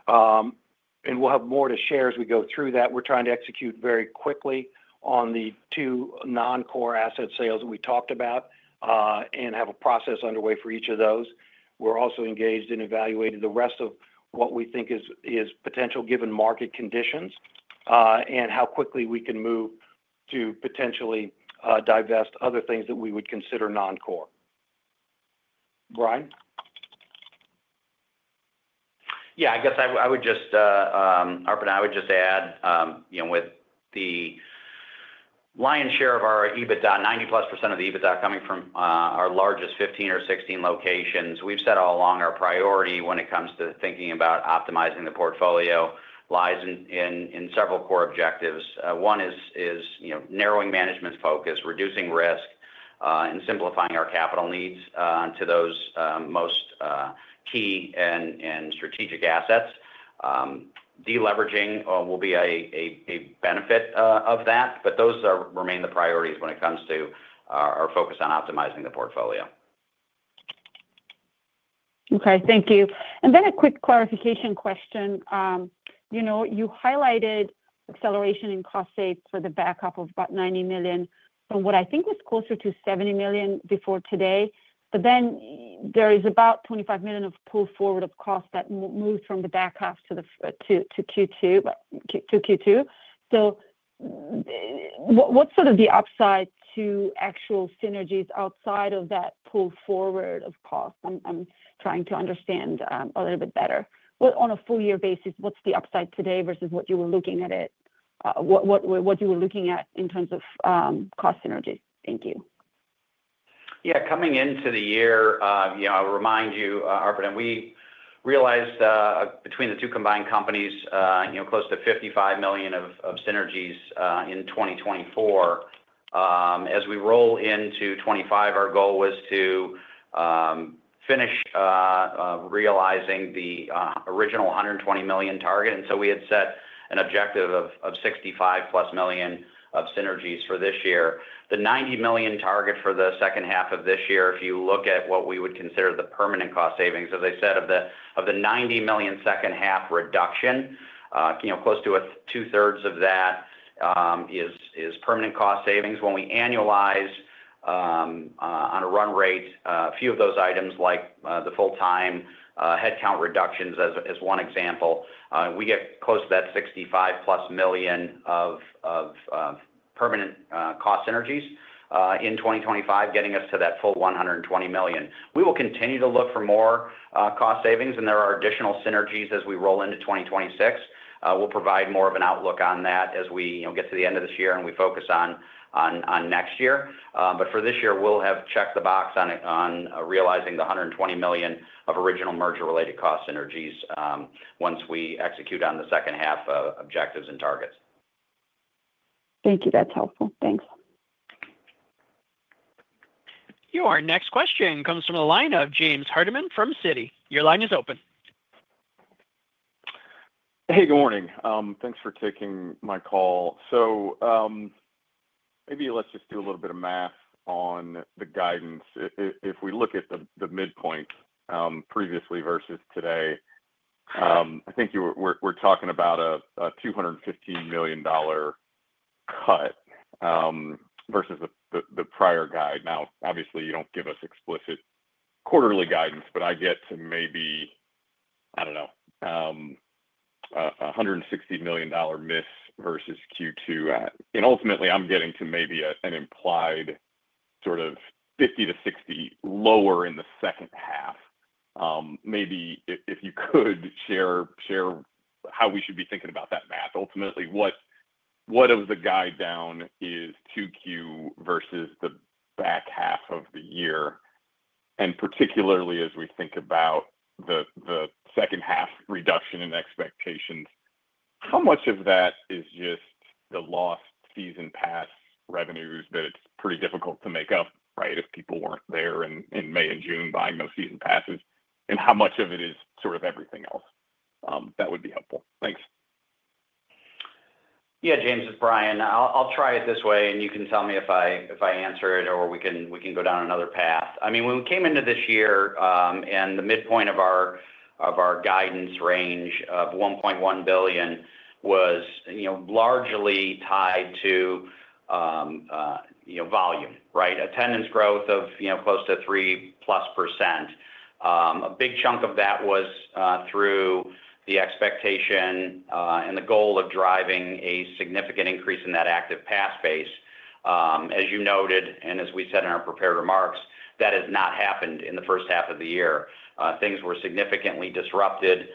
We'll have more to share as we go through that. We're trying to execute very quickly on the two non-core asset sales that we talked about and have a process underway for each of those. We're also engaged in evaluating the rest of what we think is potential given market conditions and how quickly we can move to potentially divest other things that we would consider non-core. Brian? I would just add, with the lion's share of our EBITDA, 90+% of the EBITDA coming from our largest 15 or 16 locations, we've said all along our priority when it comes to thinking about optimizing the portfolio lies in several core objectives. One is narrowing management's focus, reducing risk, and simplifying our capital needs to those most key and strategic assets. Deleveraging will be a benefit of that, but those remain the priorities when it comes to our focus on optimizing the portfolio. Okay, thank you. A quick clarification question. You highlighted acceleration in cost saves for the backup of about $90 million from what I think was closer to $70 million before today. There is about $25 million of pull forward of cost that moves from the backup to Q2. What's sort of the upside to actual synergies outside of that pull forward of cost? I'm trying to understand a little bit better. On a full-year basis, what's the upside today versus what you were looking at in terms of cost synergy? Thank you. Yeah, coming into the year, you know, I'll remind you, we realized between the two combined companies, you know, close to $55 million of synergies in 2024. As we roll into 2025, our goal was to finish realizing the original $120 million target. We had set an objective of $65+ million of synergies for this year. The $90 million target for the second half of this year, if you look at what we would consider the permanent cost savings, as I said, of the $90 million second half reduction, you know, close to two-thirds of that is permanent cost savings. When we annualize on a run rate, a few of those items, like the full-time headcount reductions, as one example, we get close to that $65+ million of permanent cost synergies in 2025, getting us to that full $120 million. We will continue to look for more cost savings, and there are additional synergies as we roll into 2026. We will provide more of an outlook on that as we get to the end of this year and we focus on next year. For this year, we will have checked the box on realizing the $120 million of original merger-related cost synergies once we execute on the second half objectives and targets. Thank you. That's helpful. Thanks. Your next question comes from the line of James Hardiman from Citi. Your line is open. Hey, good morning. Thanks for taking my call. Maybe let's just do a little bit of math on the guidance. If we look at the midpoints previously versus today, I think we're talking about a $215 million cut versus the prior guide. Obviously, you don't give us explicit quarterly guidance, but I get to maybe, I don't know, $160 million miss versus Q2. Ultimately, I'm getting to maybe an implied sort of $50-$60 million lower in the second half. Maybe if you could share how we should be thinking about that math. Ultimately, what of the guide down is Q2 versus the back half of the year? Particularly as we think about the second half reduction in expectations, how much of that is just the lost season pass revenues that it's pretty difficult to make up, right, if people weren't there in May and June buying those season passes? How much of it is sort of everything else? That would be helpful. Thanks. Yeah, James and Brian, I'll try it this way, and you can tell me if I answer it or we can go down another path. I mean, when we came into this year, and the midpoint of our guidance range of $1.1 billion was, you know, largely tied to, you know, volume, right? Attendance growth of, you know, close to 3+%. A big chunk of that was through the expectation and the goal of driving a significant increase in that active pass base. As you noted, and as we said in our prepared remarks, that has not happened in the first half of the year. Things were significantly disrupted.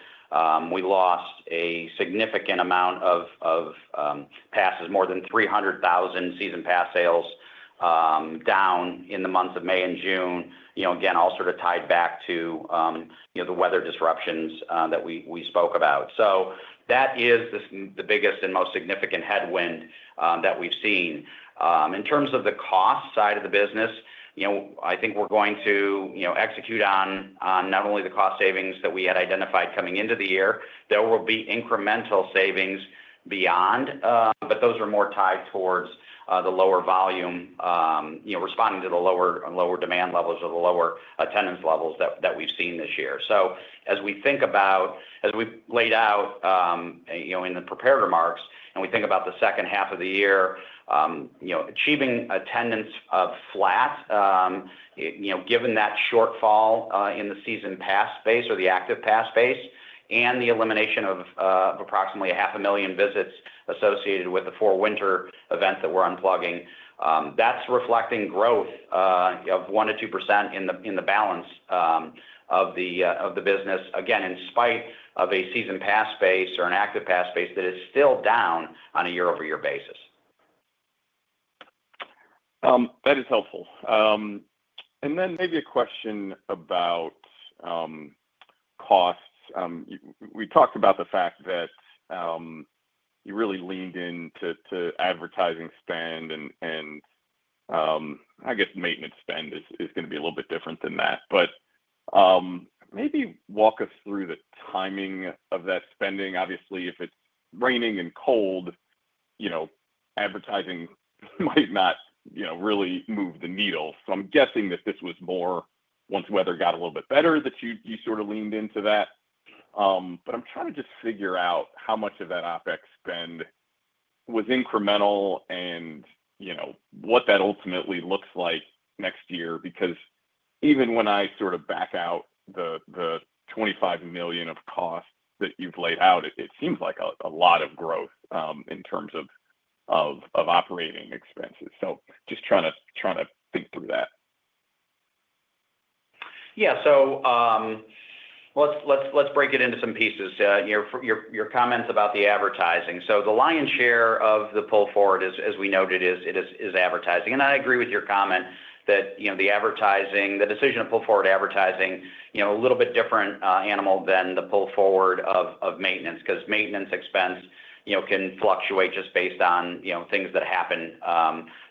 We lost a significant amount of passes, more than 300,000 season pass sales down in the months of May and June. You know, again, all sort of tied back to, you know, the weather disruptions that we spoke about. That is the biggest and most significant headwind that we've seen. In terms of the cost side of the business, I think we're going to execute on not only the cost savings that we had identified coming into the year, there will be incremental savings beyond. Those are more tied towards the lower volume, responding to the lower demand levels or the lower attendance levels that we've seen this year. As we think about, as we laid out in the prepared remarks, and we think about the second half of the year, achieving attendance of flat, given that shortfall in the season pass base or the active pass base and the elimination of approximately a half a million visits associated with the four winter events that we're unplugging, that's reflecting growth of 1 to 2% in the balance of the business, again, in spite of a season pass base or an active pass base that is still down on a year-over-year basis. That is helpful. Maybe a question about costs. We talked about the fact that you really leaned into advertising spend, and I guess maintenance spend is going to be a little bit different than that. Maybe walk us through the timing of that spending. Obviously, if it's raining and cold, you know, advertising might not really move the needle. I'm guessing that this was more once weather got a little bit better that you sort of leaned into that. I'm trying to just figure out how much of that OpEx spend was incremental and what that ultimately looks like next year, because even when I sort of back out the $25 million of costs that you've laid out, it seems like a lot of growth in terms of operating expenses. Just trying to think through that. Yeah, let's break it into some pieces. Your comments about the advertising—the lion's share of the pull forward, as we noted, is advertising. I agree with your comment that the advertising, the decision to pull forward advertising, is a little bit different animal than the pull forward of maintenance, because maintenance expense can fluctuate just based on things that happen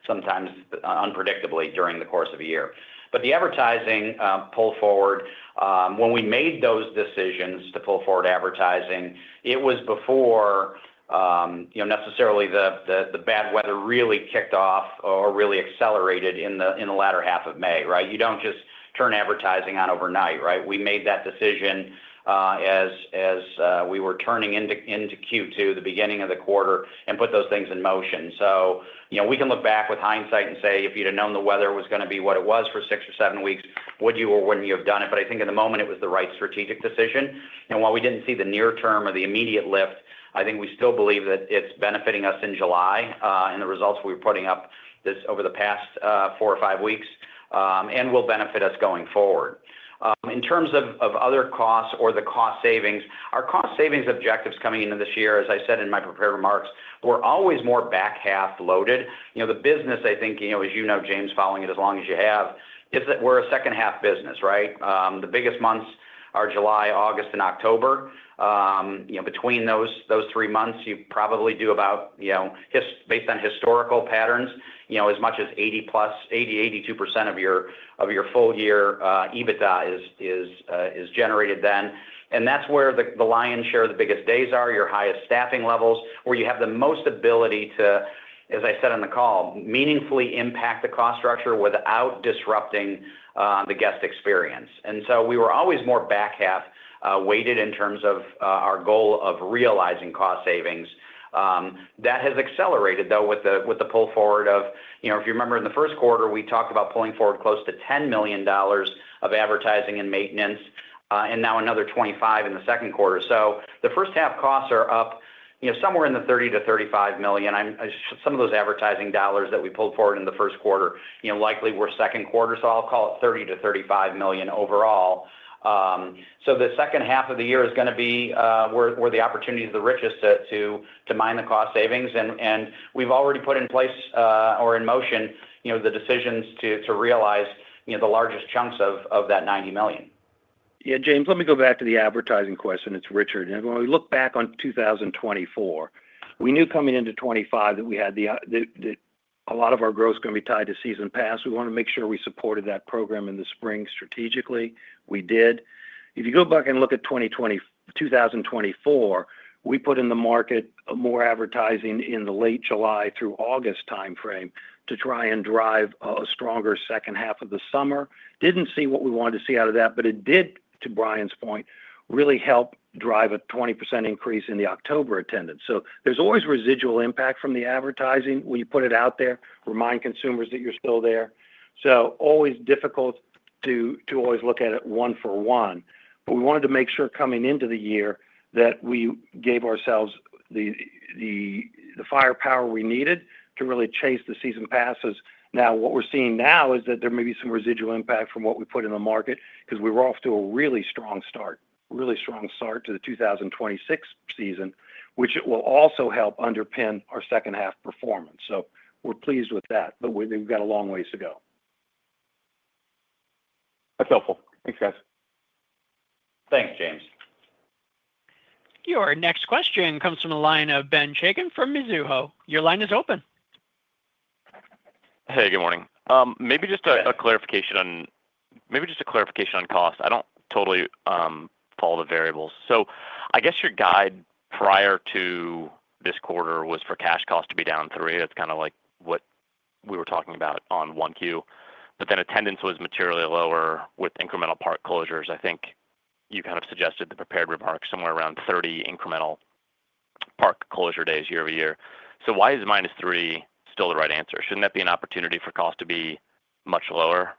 sometimes unpredictably during the course of a year. The advertising pull forward, when we made those decisions to pull forward advertising, it was before necessarily the bad weather really kicked off or really accelerated in the latter half of May, right? You don't just turn advertising on overnight, right? We made that decision as we were turning into Q2, the beginning of the quarter, and put those things in motion. We can look back with hindsight and say, if you'd have known the weather was going to be what it was for six or seven weeks, would you or wouldn't you have done it? I think in the moment, it was the right strategic decision. While we didn't see the near term or the immediate lift, I think we still believe that it's benefiting us in July and the results we were putting up over the past four or five weeks and will benefit us going forward. In terms of other costs or the cost savings, our cost savings objectives coming into this year, as I said in my prepared remarks, were always more back half loaded. The business, I think, as you know, James, following it as long as you have, is that we're a second half business, right? The biggest months are July, August, and October. Between those three months, you probably do about, based on historical patterns, as much as 80%, 80, 82% of your full year EBITDA is generated then. That's where the lion's share of the biggest days are, your highest staffing levels, where you have the most ability to, as I said on the call, meaningfully impact the cost structure without disrupting the guest experience. We were always more back half weighted in terms of our goal of realizing cost savings. That has accelerated, though, with the pull forward of, if you remember in the first quarter, we talked about pulling forward close to $10 million of advertising and maintenance, and now another $25 million in the second quarter. The first half costs are up, you know, somewhere in the $30-$35 million. Some of those advertising dollars that we pulled forward in the first quarter, you know, likely were second quarter. I'll call it $30-$35 million overall. The second half of the year is going to be where the opportunity is the richest to mine the cost savings. We've already put in place or in motion, you know, the decisions to realize, you know, the largest chunks of that $90 million. Yeah, James, let me go back to the advertising question. It's Richard. When we look back on 2024, we knew coming into 2025 that a lot of our growth is going to be tied to season pass. We wanted to make sure we supported that program in the spring strategically. We did. If you go back and look at 2024, we put in the market more advertising in the late July through August timeframe to try and drive a stronger second half of the summer. We didn't see what we wanted to see out of that, but it did, to Brian's point, really help drive a 20% increase in the October attendance. There is always residual impact from the advertising when you put it out there, remind consumers that you're still there. It is always difficult to always look at it one for one. We wanted to make sure coming into the year that we gave ourselves the firepower we needed to really chase the season passes. What we're seeing now is that there may be some residual impact from what we put in the market because we were off to a really strong start, really strong start to the 2026 season, which will also help underpin our second half performance. We're pleased with that, but we've got a long ways to go. That's helpful. Thanks, guys. Thanks, James. Your next question comes from the line of Ben Chaiken from Mizuho. Your line is open. Hey, good morning. Maybe just a clarification on cost. I don't totally follow the variables. I guess your guide prior to this quarter was for cash cost to be down three. That's kind of like what we were talking about on Q1, but then attendance was materially lower with incremental park closures. I think you suggested in the prepared remarks somewhere around 30 incremental park closure days year-over-year. Why is minus three still the right answer? Shouldn't that be an opportunity for cost to be much lower?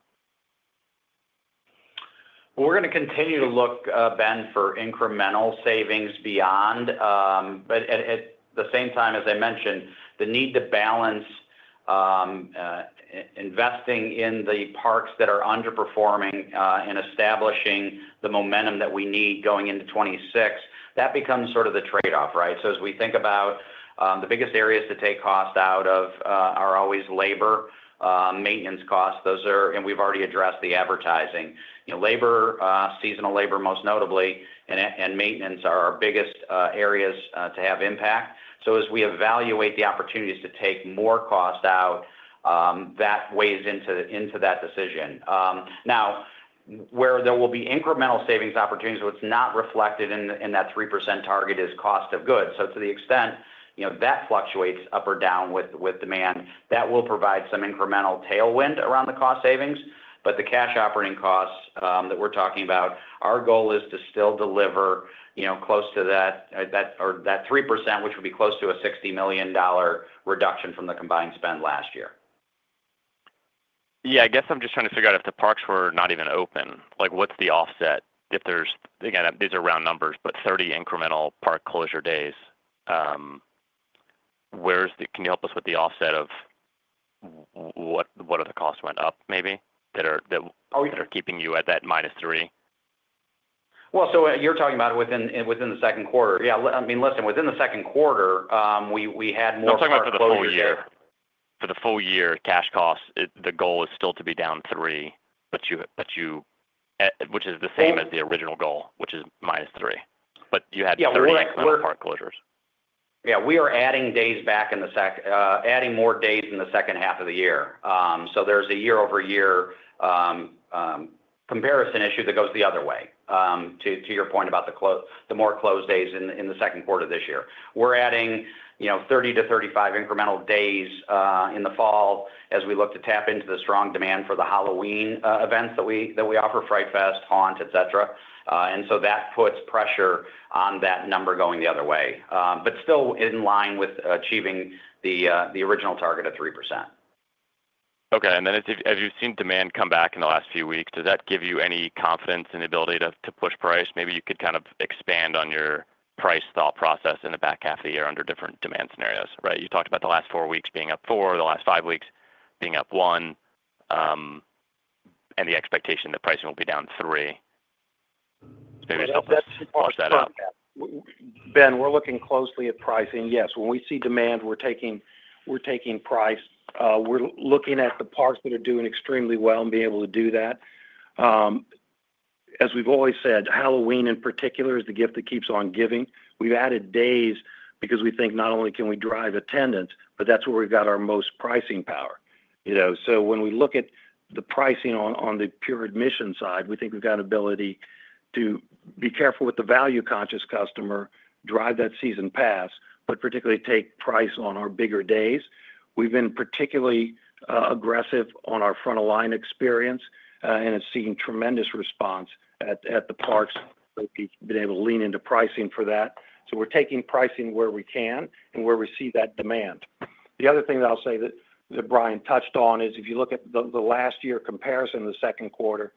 We're going to continue to look, Ben, for incremental savings beyond. At the same time, as I mentioned, the need to balance investing in the parks that are underperforming and establishing the momentum that we need going into 2026, that becomes sort of the trade-off, right? As we think about the biggest areas to take cost out of, those are always labor and maintenance costs. We've already addressed the advertising. Labor, seasonal labor most notably, and maintenance are our biggest areas to have impact. As we evaluate the opportunities to take more cost out, that weighs into that decision. Where there will be incremental savings opportunities, what's not reflected in that 3% target is cost of goods. To the extent that fluctuates up or down with demand, that will provide some incremental tailwind around the cost savings. The cash operating costs that we're talking about, our goal is to still deliver close to that 3%, which would be close to a $60 million reduction from the combined spend last year. I'm just trying to figure out if the parks were not even open, like what's the offset if there's, again, these are round numbers, but 30 incremental park closure days. Where's the, can you help us with the offset of what other costs went up maybe that are keeping you at that minus three? You're talking about it within the second quarter. I mean, listen, within the second quarter, we had no cash costs. No, I'm talking about for the full year. For the full year, cash costs, the goal is still to be down three, which is the same as the original goal, which is minus three. You had 30 incremental park closures. Yeah, we are adding days back in the second, adding more days in the second half of the year. There's a year-over-year comparison issue that goes the other way to your point about the more closed days in the second quarter of this year. We're adding 30-35 incremental days in the fall as we look to tap into the strong demand for the Halloween events that we offer, Fright Fest, Haunt, et cetera. That puts pressure on that number going the other way, but still in line with achieving the original target of 3%. Okay, as you've seen demand come back in the last few weeks, does that give you any confidence in the ability to push price? Maybe you could kind of expand on your price thought process in the back half of the year under different demand scenarios, right? You talked about the last four weeks being up four, the last five weeks being up one, and the expectation that pricing will be down three. Maybe just help us pause that out. Ben, we're looking closely at pricing. Yes, when we see demand, we're taking price. We're looking at the parks that are doing extremely well and being able to do that. As we've always said, Halloween in particular is the gift that keeps on giving. We've added days because we think not only can we drive attendance, but that's where we've got our most pricing power. You know, when we look at the pricing on the pure admission side, we think we've got an ability to be careful with the value-conscious customer, drive that season pass, but particularly take price on our bigger days. We've been particularly aggressive on our front-of-line experience, and it's seen tremendous response at the parks. We've been able to lean into pricing for that. We're taking pricing where we can and where we see that demand. The other thing that I'll say that Brian touched on is if you look at the last year comparison in the second quarter,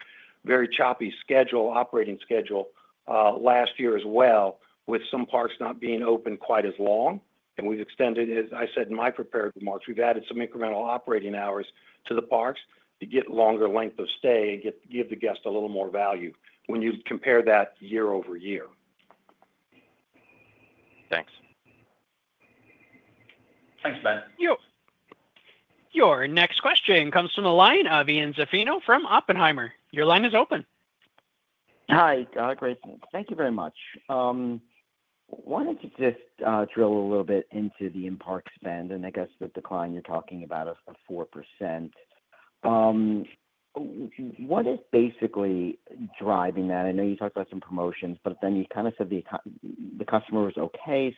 very choppy operating schedule last year as well, with some parks not being open quite as long. We've extended, as I said in my prepared remarks, we've added some incremental operating hours to the parks to get longer length of stay and give the guest a little more value when you compare that year-over-year. Thanks. Thanks, Ben. Your next question comes from the line of Ian Zaffino from Oppenheimer. Your line is open. Hi, Greg. Thank you very much. I wanted to just drill a little bit into the in-park spend, and I guess the decline you're talking about of 4%. What is basically driving that? I know you talked about some promotions, but you kind of said the customer was okay.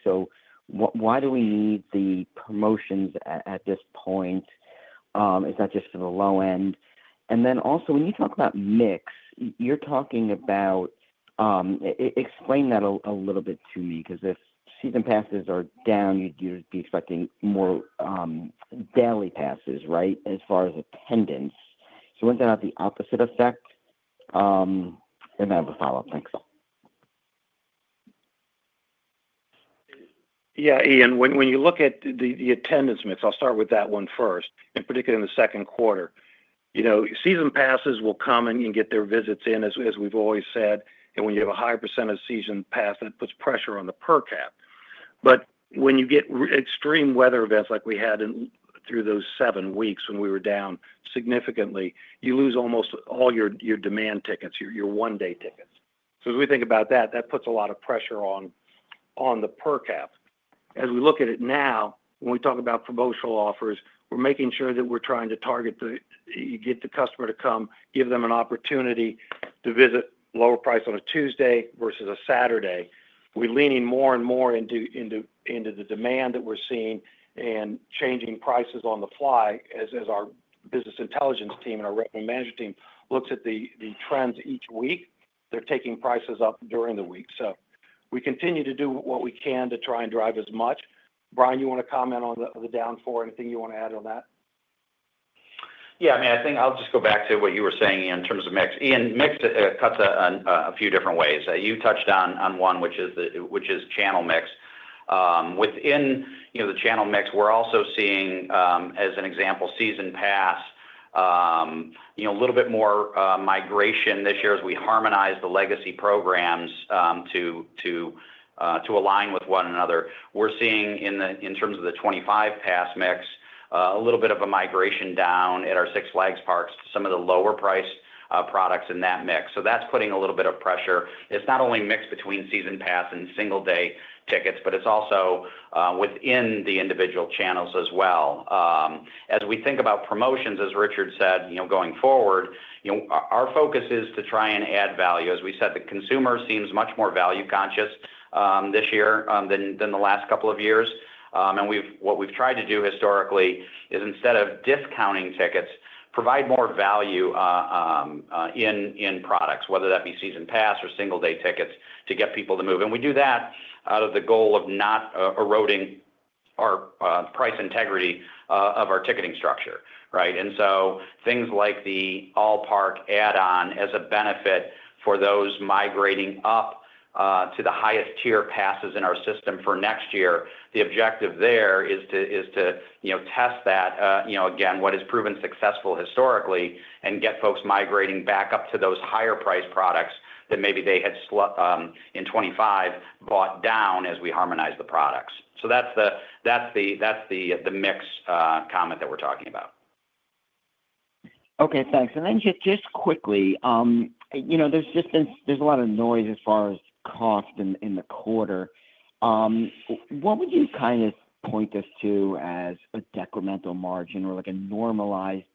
Why do we need the promotions at this point? Is that just for the low end? When you talk about mix, you're talking about, explain that a little bit to me because if season passes are down, you'd be expecting more daily passes, right, as far as attendance. Isn't that the opposite effect? I have a follow-up. Thanks. Yeah, Ian, when you look at the attendance myths, I'll start with that one first, in particular in the second quarter. You know, season passes will come and get their visits in, as we've always said. When you have a high % of season pass, that puts pressure on the per cap. When you get extreme weather events like we had through those seven weeks when we were down significantly, you lose almost all your demand tickets, your one-day tickets. As we think about that, that puts a lot of pressure on the per cap. As we look at it now, when we talk about promotional offers, we're making sure that we're trying to target the, you get the customer to come, give them an opportunity to visit lower price on a Tuesday versus a Saturday. We're leaning more and more into the demand that we're seeing and changing prices on the fly as our business intelligence team and our revenue management team looks at the trends each week. They're taking prices up during the week. We continue to do what we can to try and drive as much. Brian, you want to comment on the downfall or anything you want to add on that? Yeah, I mean, I think I'll just go back to what you were saying, Ian, in terms of mix. Ian, mix cuts a few different ways. You touched on one, which is the channel mix. Within the channel mix, we're also seeing, as an example, season pass, a little bit more migration this year as we harmonize the legacy programs to align with one another. We're seeing in terms of the 2025 pass mix, a little bit of a migration down at our Six Flags parks to some of the lower-priced products in that mix. That's putting a little bit of pressure. It's not only mix between season pass and single-day tickets, but it's also within the individual channels as well. As we think about promotions, as Richard said, going forward, our focus is to try and add value. As we said, the consumer seems much more value-conscious this year than the last couple of years. What we've tried to do historically is instead of discounting tickets, provide more value in products, whether that be season pass or single-day tickets, to get people to move. We do that out of the goal of not eroding our price integrity of our ticketing structure, right? Things like the All Park add-on as a benefit for those migrating up to the highest tier passes in our system for next year, the objective there is to test that, again, what has proven successful historically and get folks migrating back up to those higher price products that maybe they had in 2025 bought down as we harmonize the products. That's the mix comment that we're talking about. Okay, thanks. Just quickly, you know, there's just a lot of noise as far as cost in the quarter. What would you kind of point us to as a decremental margin or like a normalized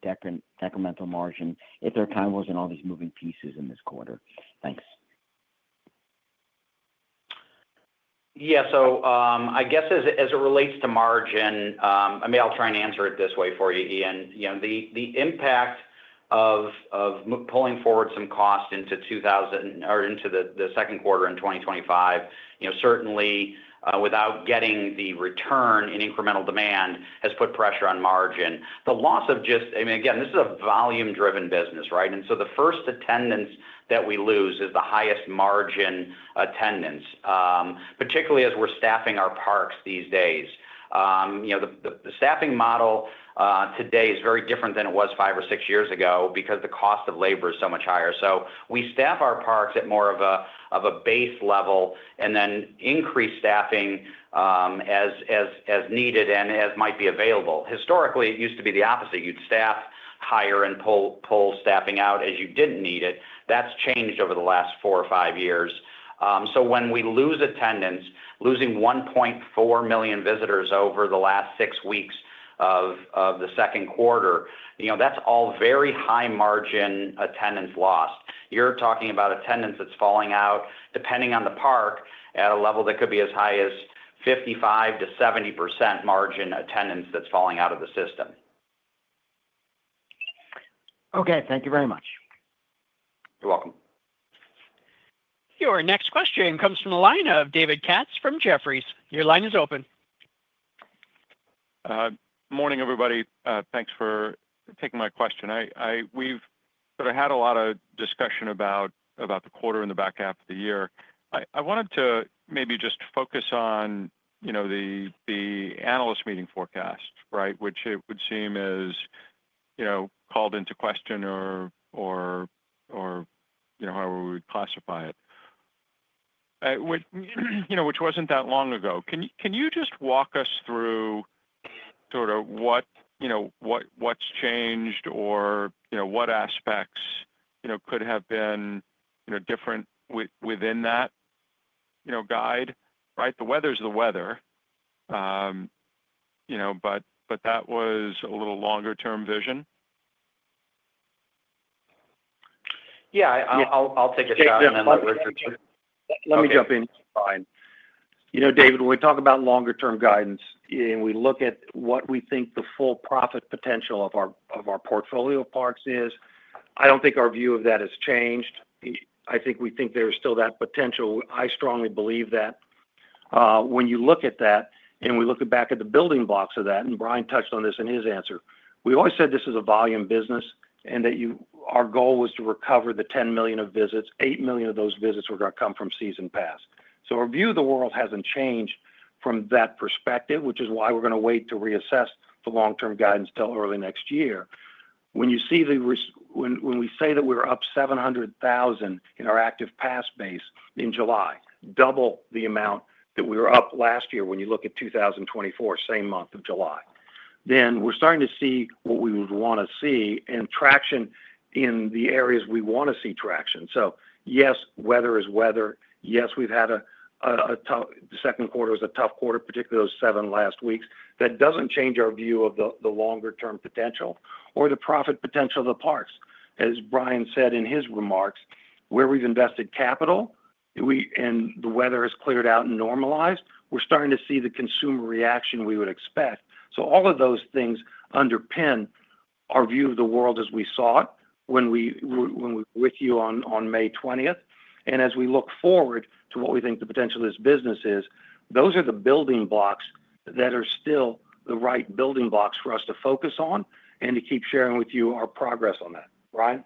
decremental margin if there kind of wasn't all these moving pieces in this quarter? Thanks. Yeah, as it relates to margin, I'll try and answer it this way for you, Ian. The impact of pulling forward some cost into 2025, or into the second quarter in 2025, certainly without getting the return in incremental demand, has put pressure on margin. The loss of just, I mean, this is a volume-driven business, right? The first attendance that we lose is the highest margin attendance, particularly as we're staffing our parks these days. The staffing model today is very different than it was five or six years ago because the cost of labor is so much higher. We staff our parks at more of a base level and then increase staffing as needed and as might be available. Historically, it used to be the opposite. You'd staff higher and pull staffing out as you didn't need it. That's changed over the last four or five years. When we lose attendance, losing 1.4 million visitors over the last six weeks of the second quarter, that's all very high margin attendance lost. You're talking about attendance that's falling out, depending on the park, at a level that could be as high as 55%-70% margin attendance that's falling out of the system. Okay, thank you very much. You're welcome. Your next question comes from the line of David Katz from Jefferies. Your line is open. Morning everybody. Thanks for taking my question. We've had a lot of discussion about the quarter and the back half of the year. I wanted to maybe just focus on the analyst meeting forecast, right, which it would seem is called into question or, you know, however we would classify it. You know, which wasn't that long ago. Can you just walk us through what, you know, what's changed or what aspects could have been different within that guide, right? The weather's the weather, but that was a little longer-term vision. Yeah, I'll take it back and then let me jump in. You know, David, when we talk about longer-term guidance and we look at what we think the full profit potential of our portfolio parks is, I don't think our view of that has changed. I think we think there's still that potential. I strongly believe that when you look at that and we look back at the building blocks of that, and Brian touched on this in his answer, we always said this is a volume business and that our goal was to recover the 10 million of visits. 8 million of those visits were going to come from season pass. Our view of the world hasn't changed from that perspective, which is why we're going to wait to reassess the long-term guidance till early next year. When you see that we're up 700,000 in our active pass base in July, double the amount that we were up last year when you look at 2024, same month of July, we're starting to see what we would want to see and traction in the areas we want to see traction. Yes, weather is weather. We've had a tough, the second quarter was a tough quarter, particularly those seven last weeks. That doesn't change our view of the longer-term potential or the profit potential of the parks. As Brian said in his remarks, where we've invested capital and the weather has cleared out and normalized, we're starting to see the consumer reaction we would expect. All of those things underpin our view of the world as we saw it when we were with you on May 20th. As we look forward to what we think the potential of this business is, those are the building blocks that are still the right building blocks for us to focus on and to keep sharing with you our progress on that. Brian?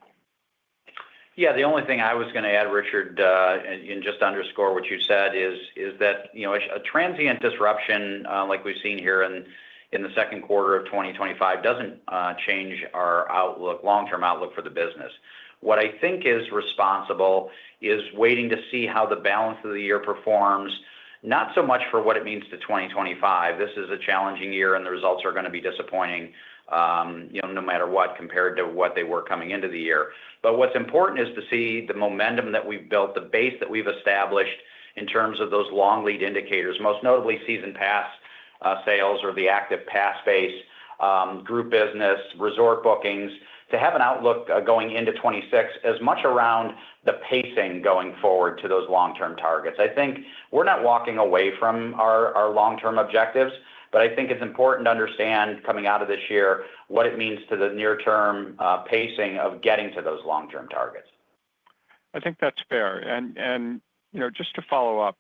The only thing I was going to add, Richard, and just underscore what you said is that a transient disruption like we've seen here in the second quarter of 2025 doesn't change our outlook, long-term outlook for the business. What I think is responsible is waiting to see how the balance of the year performs, not so much for what it means to 2025. This is a challenging year and the results are going to be disappointing, no matter what compared to what they were coming into the year. What is important is to see the momentum that we've built, the base that we've established in terms of those long lead indicators, most notably season pass sales or the active pass base, group business, resort bookings, to have an outlook going into 2026 as much around the pacing going forward to those long-term targets. I think we're not walking away from our long-term objectives, but I think it's important to understand coming out of this year what it means to the near-term pacing of getting to those long-term targets. I think that's fair. Just to follow up,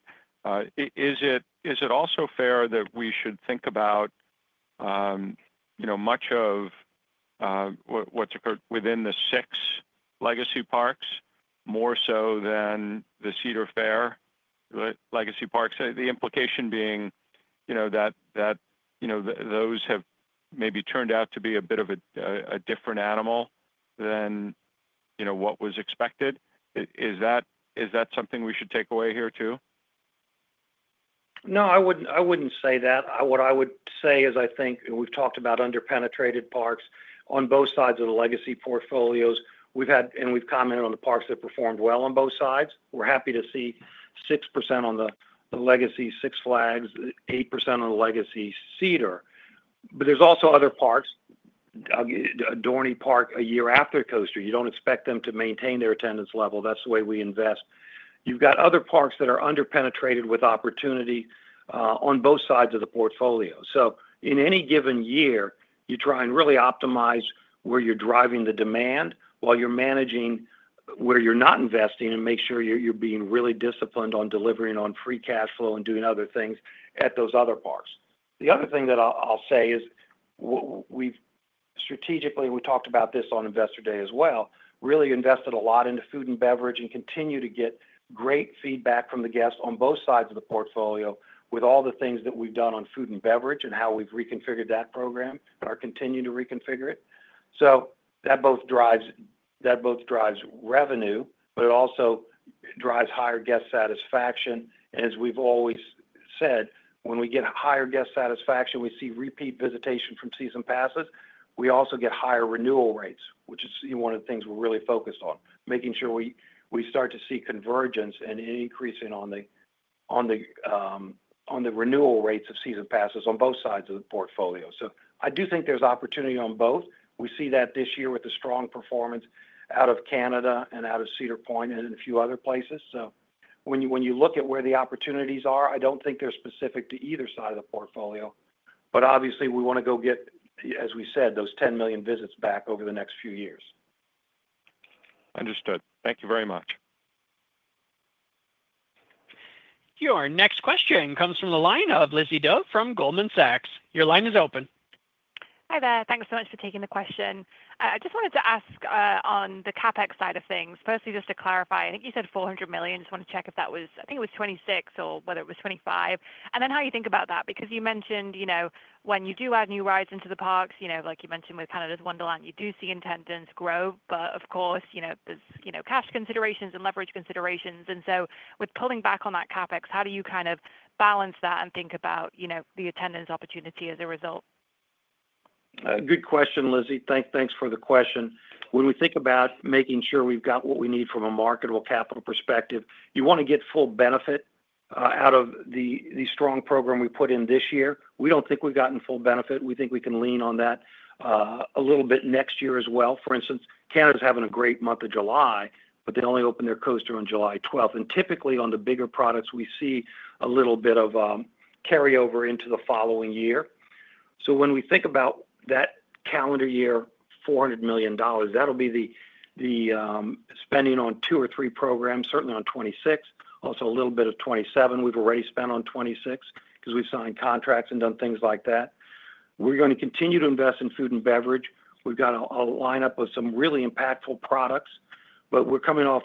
is it also fair that we should think about much of what's occurred within the Six legacy parks more so than the Cedar Fair legacy parks? The implication being that those have maybe turned out to be a bit of a different animal than what was expected. Is that something we should take away here too? No, I wouldn't say that. What I would say is I think we've talked about underpenetrated parks on both sides of the legacy portfolios. We've had, and we've commented on the parks that performed well on both sides. We're happy to see 6% on the legacy Six Flags, 8% on the legacy Cedar. There's also other parks, Dorney Park, a year after coaster. You don't expect them to maintain their attendance level. That's the way we invest. You've got other parks that are underpenetrated with opportunity on both sides of the portfolio. In any given year, you try and really optimize where you're driving the demand while you're managing where you're not investing and make sure you're being really disciplined on delivering on free cash flow and doing other things at those other parks. The other thing that I'll say is we've strategically, and we talked about this on Investor Day as well, really invested a lot into food and beverage and continue to get great feedback from the guests on both sides of the portfolio with all the things that we've done on food and beverage and how we've reconfigured that program or continue to reconfigure it. That both drives revenue, but it also drives higher guest satisfaction. As we've always said, when we get higher guest satisfaction, we see repeat visitation from season passes. We also get higher renewal rates, which is one of the things we're really focused on, making sure we start to see convergence and an increase on the renewal rates of season passes on both sides of the portfolio. I do think there's opportunity on both. We see that this year with a strong performance out of Canada and out of Cedar Point and a few other places. When you look at where the opportunities are, I don't think they're specific to either side of the portfolio. Obviously, we want to go get, as we said, those 10 million visits back over the next few years. Understood. Thank you very much. Your next question comes from the line of Lizzie Dove from Goldman Sachs. Your line is open. Hi there. Thanks so much for taking the question. I just wanted to ask on the CapEx side of things, mostly just to clarify, I think you said $400 million. I just want to check if that was, I think it was 2026 or whether it was 2025. How you think about that, because you mentioned, you know, when you do add new rides into the parks, like you mentioned with Canada’s Wonderland, you do see attendance grow. Of course, there are cash considerations and leverage considerations. With pulling back on that CapEx, how do you kind of balance that and think about the attendance opportunity as a result? Good question, Lizzie. Thanks for the question. When we think about making sure we've got what we need from a marketable capital perspective, you want to get full benefit out of the strong program we put in this year. We don't think we've gotten full benefit. We think we can lean on that a little bit next year as well. For instance, Canada’s having a great month of July, but they only opened their coaster on July 12th. Typically, on the bigger products, we see a little bit of carryover into the following year. When we think about that calendar year, $400 million, that'll be the spending on two or three programs, certainly on 2026, also a little bit of 2027. We've already spent on 2026 because we've signed contracts and done things like that. We're going to continue to invest in food and beverage. We've got a lineup of some really impactful products, but we're coming off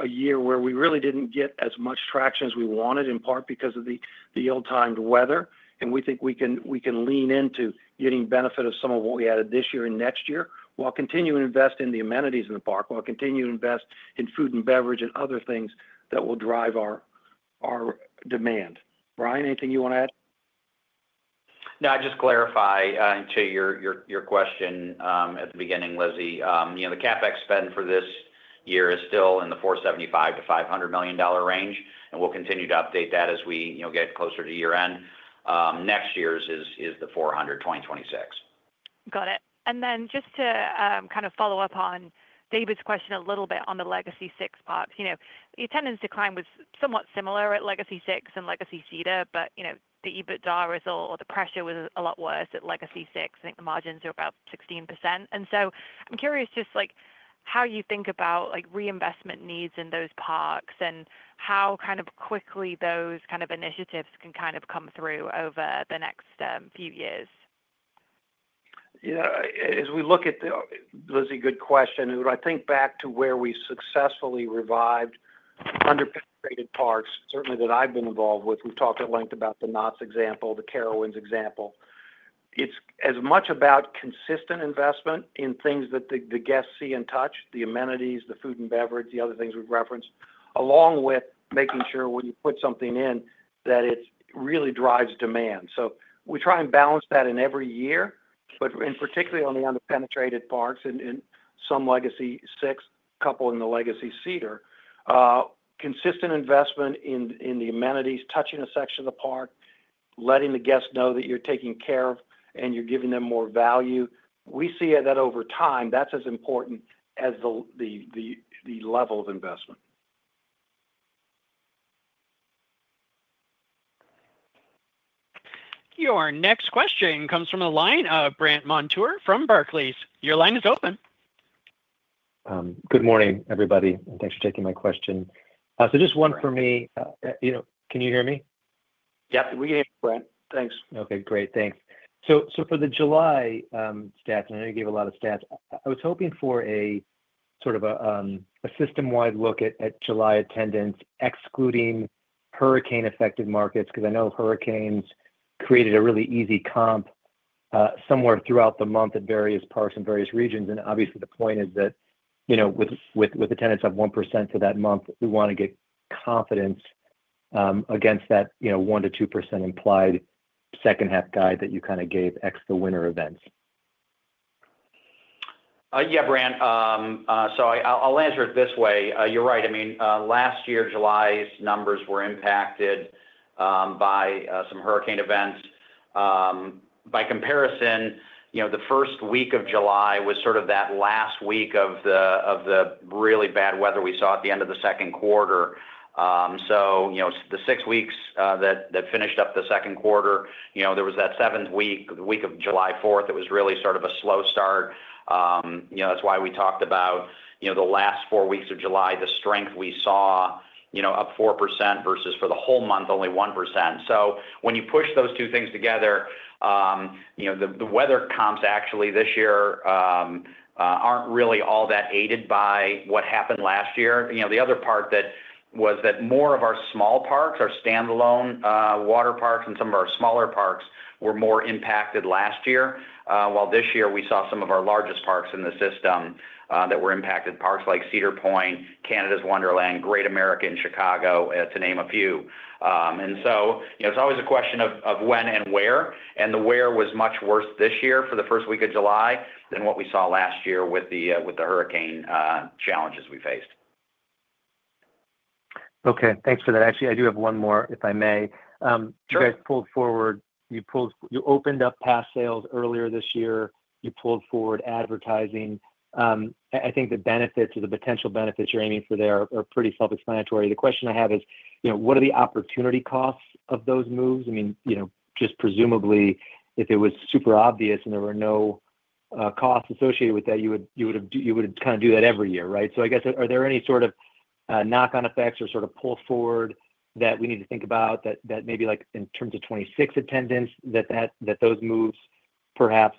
a year where we really didn't get as much traction as we wanted, in part because of the ill-timed weather. We think we can lean into getting benefit of some of what we added this year and next year while continuing to invest in the amenities in the park, while continuing to invest in food and beverage and other things that will drive our demand. Brian, anything you want to add? No, I'd just clarify, and to your question at the beginning, Lizzie, you know, the CapEx spend for this year is still in the $475-$500 million range, and we'll continue to update that as we get closer to year end. Next year's is the $400 million, 2026. Got it. Just to follow up on David's question a little bit on the legacy Six parks, the attendance decline was somewhat similar at legacy Six and legacy Cedar Fair, but the EBITDA result or the pressure was a lot worse at legacy Six. I think the margins are about 16%. I'm curious just how you think about reinvestment needs in those parks and how quickly those initiatives can come through over the next few years. As we look at the, Lizzie, good question, and I think back to where we successfully revived underpenetrated parks, certainly that I've been involved with. We've talked at length about the Knott's example, the Carowinds example. It's as much about consistent investment in things that the guests see and touch, the amenities, the food and beverage offerings, the other things we've referenced, along with making sure when you put something in that it really drives demand. We try and balance that every year, particularly on the underpenetrated parks and some legacy Six, coupling the legacy Cedar Fair, consistent investment in the amenities, touching a section of the park, letting the guests know that you're taking care of and you're giving them more value. We see that over time, that's as important as the level of investment. Your next question comes from the line of Brant Montour from Barclays, your line is open. Good morning, everybody, and thanks for taking my question. Just one for me. Can you hear me? Yes, we hear you, Brian. Thanks. Okay, great. Thanks. For the July stats, I know you gave a lot of stats. I was hoping for a sort of a system-wide look at July attendance, excluding hurricane-affected markets, because I know hurricanes created a really easy comp somewhere throughout the month at various parts and various regions. Obviously, the point is that, you know, with attendance of 1% for that month, we want to get confidence against that 1% to 2% implied second half guide that you kind of gave ex the winter events. Yeah, Brian, so I'll answer it this way. You're right. I mean, last year, July's numbers were impacted by some hurricane events. By comparison, the first week of July was sort of that last week of the really bad weather we saw at the end of the second quarter. The six weeks that finished up the second quarter, there was that seventh week, the week of July 4th. It was really sort of a slow start. That's why we talked about the last four weeks of July, the strength we saw, up 4% versus for the whole month, only 1%. When you push those two things together, the weather comps actually this year aren't really all that aided by what happened last year. The other part was that more of our small parks, our standalone water parks, and some of our smaller parks were more impacted last year, while this year we saw some of our largest parks in the system that were impacted, parks like Cedar Point, Canada's Wonderland, Great America in Chicago, to name a few. It's always a question of when and where. The where was much worse this year for the first week of July than what we saw last year with the hurricane challenges we faced. Okay, thanks for that. Actually, I do have one more, if I may. Sure. You guys pulled forward. You opened up pass sales earlier this year. You pulled forward advertising. I think the benefits or the potential benefits you're aiming for there are pretty self-explanatory. The question I have is, you know, what are the opportunity costs of those moves? I mean, just presumably, if it was super obvious and there were no costs associated with that, you would kind of do that every year, right? I guess, are there any sort of knock-on effects or sort of pull forward that we need to think about that maybe like in terms of 2026 attendance that those moves perhaps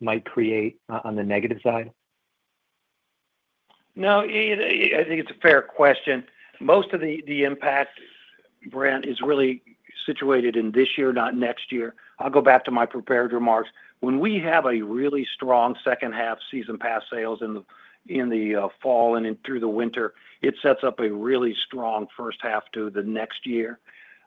might create on the negative side? No, I think it's a fair question. Most of the impact, Brian, is really situated in this year, not next year. I'll go back to my prepared remarks. When we have a really strong second half season pass sales in the fall and through the winter, it sets up a really strong first half to the next year.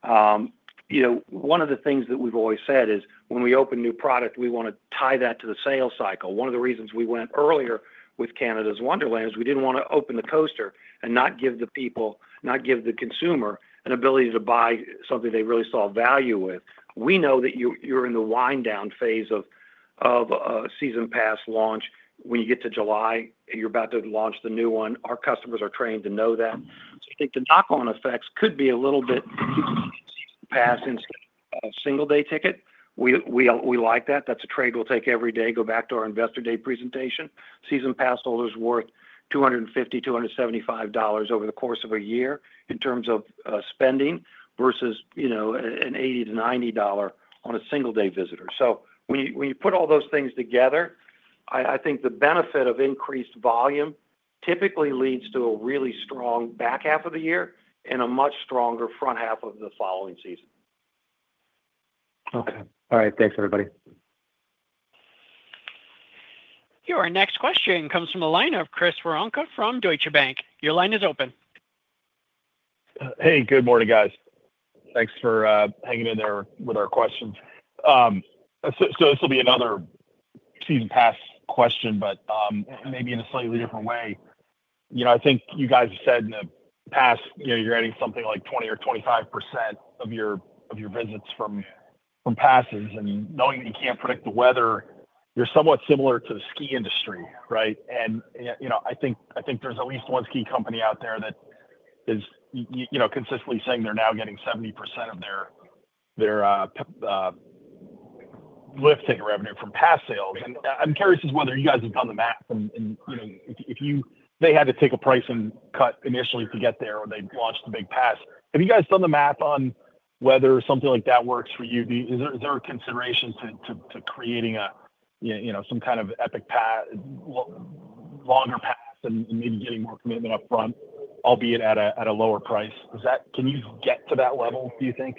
One of the things that we've always said is when we open a new product, we want to tie that to the sales cycle. One of the reasons we went earlier with Canada's Wonderland is we didn't want to open the coaster and not give the people, not give the consumer an ability to buy something they really saw value with. We know that you're in the wind-down phase of a season pass launch. When you get to July, you're about to launch the new one. Our customers are trained to know that. I think the knock-on effects could be a little bit pass and single-day ticket. We like that. That's a trade we'll take every day. Go back to our Investor Day presentation. Season pass holders worth $250, $275 over the course of a year in terms of spending versus, you know, an $80 to $90 on a single-day visitor. When you put all those things together, I think the benefit of increased volume typically leads to a really strong back half of the year and a much stronger front half of the following season. Okay. All right. Thanks, everybody. Your next question comes from the line of Chris Woronka from Deutsche Bank. Your line is open. Hey, good morning, guys. Thanks for hanging in there with our questions. This will be another season pass question, but maybe in a slightly different way. I think you guys have said in the past you're adding something like 20% or 25% of your visits from passes. Knowing that you can't predict the weather, you're somewhat similar to the ski industry, right? I think there's at least one ski company out there that is consistently saying they're now getting 70% of their lift revenue from pass sales. I'm curious as to whether you guys have done the math. If they had to take a pricing cut initially to get there or they launched a big pass, have you guys done the math on whether something like that works for you? Is there a consideration to creating some kind of epic pass, longer pass, and maybe getting more commitment up front, albeit at a lower price? Can you get to that level, do you think?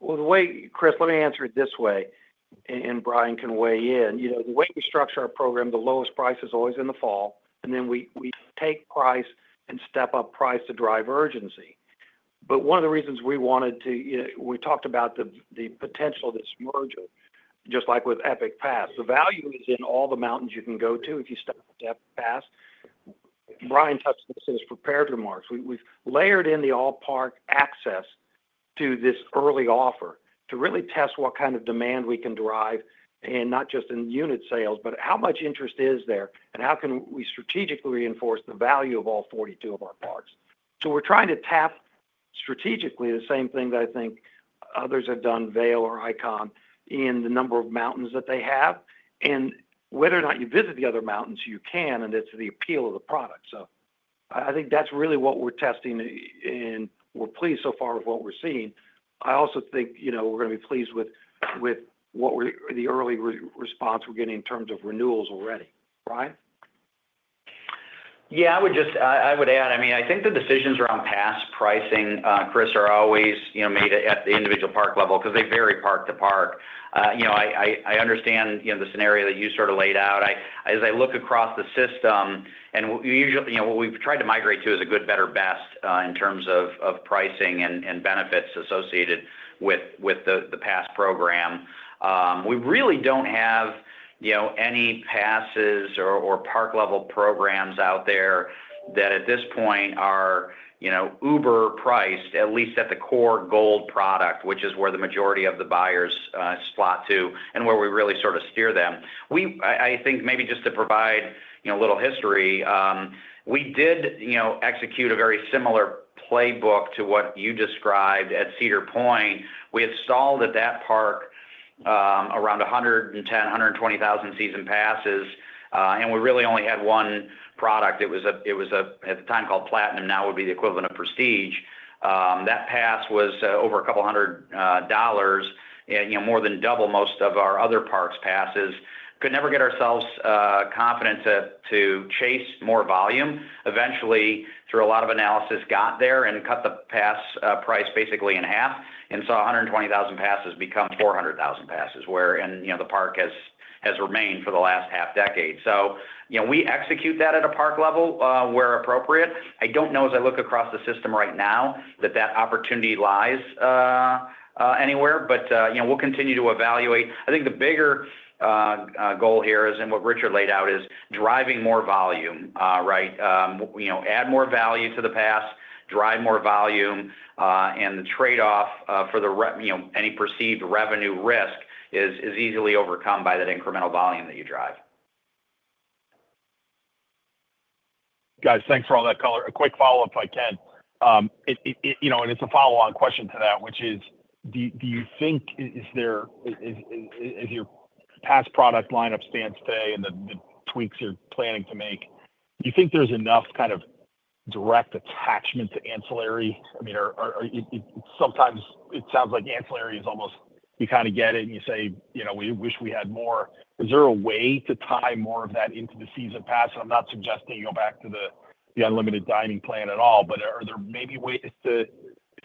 Chris, let me answer it this way, and Brian can weigh in. The way we structure our program, the lowest price is always in the fall, and then we step up price to drive urgency. One of the reasons we talked about the potential of this merger, just like with Epic Pass, is the value in all the mountains you can go to if you step past. Brian touched on this in his prepared remarks. We've layered in the all-park access to this early offer to really test what kind of demand we can drive, not just in unit sales, but how much interest is there and how we can strategically reinforce the value of all 42 of our parks. We're trying to tap strategically the same thing that I think others have done, Vail or Ikon, in the number of mountains that they have. Whether or not you visit the other mountains, you can, and it's the appeal of the product. I think that's really what we're testing, and we're pleased so far with what we're seeing. I also think we're going to be pleased with the early response we're getting in terms of renewals already, Brian? Yeah, I would just add, I mean, I think the decisions around pass pricing, Chris, are always made at the individual park level because they vary park to park. I understand the scenario that you sort of laid out. As I look across the system, what we've tried to migrate to is a good, better, best in terms of pricing and benefits associated with the pass program. We really don't have any passes or park-level programs out there that at this point are, you know, Uber-priced, at least at the core gold product, which is where the majority of the buyers slot to and where we really sort of steer them. I think maybe just to provide a little history, we did execute a very similar playbook to what you described at Cedar Point. We had sold at that park around 110,000, 120,000 season passes, and we really only had one product. It was, at the time, called Platinum. Now it would be the equivalent of Prestige. That pass was over a couple hundred dollars, more than double most of our other parks' passes. Could never get ourselves confident to chase more volume. Eventually, through a lot of analysis, got there and cut the pass price basically in half and saw 120,000 passes become 400,000 passes, where the park has remained for the last half decade. We execute that at a park level where appropriate. I don't know, as I look across the system right now, that that opportunity lies anywhere, but we'll continue to evaluate. I think the bigger goal here is, and what Richard laid out is, driving more volume, right? Add more value to the pass, drive more volume, and the trade-off for any perceived revenue risk is easily overcome by that incremental volume that you drive. Guys, thanks for all that color. A quick follow-up, if I can. You know, it's a follow-on question to that, which is, do you think, is there, as your past product lineup stands today and the tweaks you're planning to make, do you think there's enough kind of direct attachment to ancillary? I mean, sometimes it sounds like ancillary is almost, you kind of get it and you say, you know, we wish we had more. Is there a way to tie more of that into the season pass? I'm not suggesting you go back to the unlimited dining plan at all, but are there maybe ways to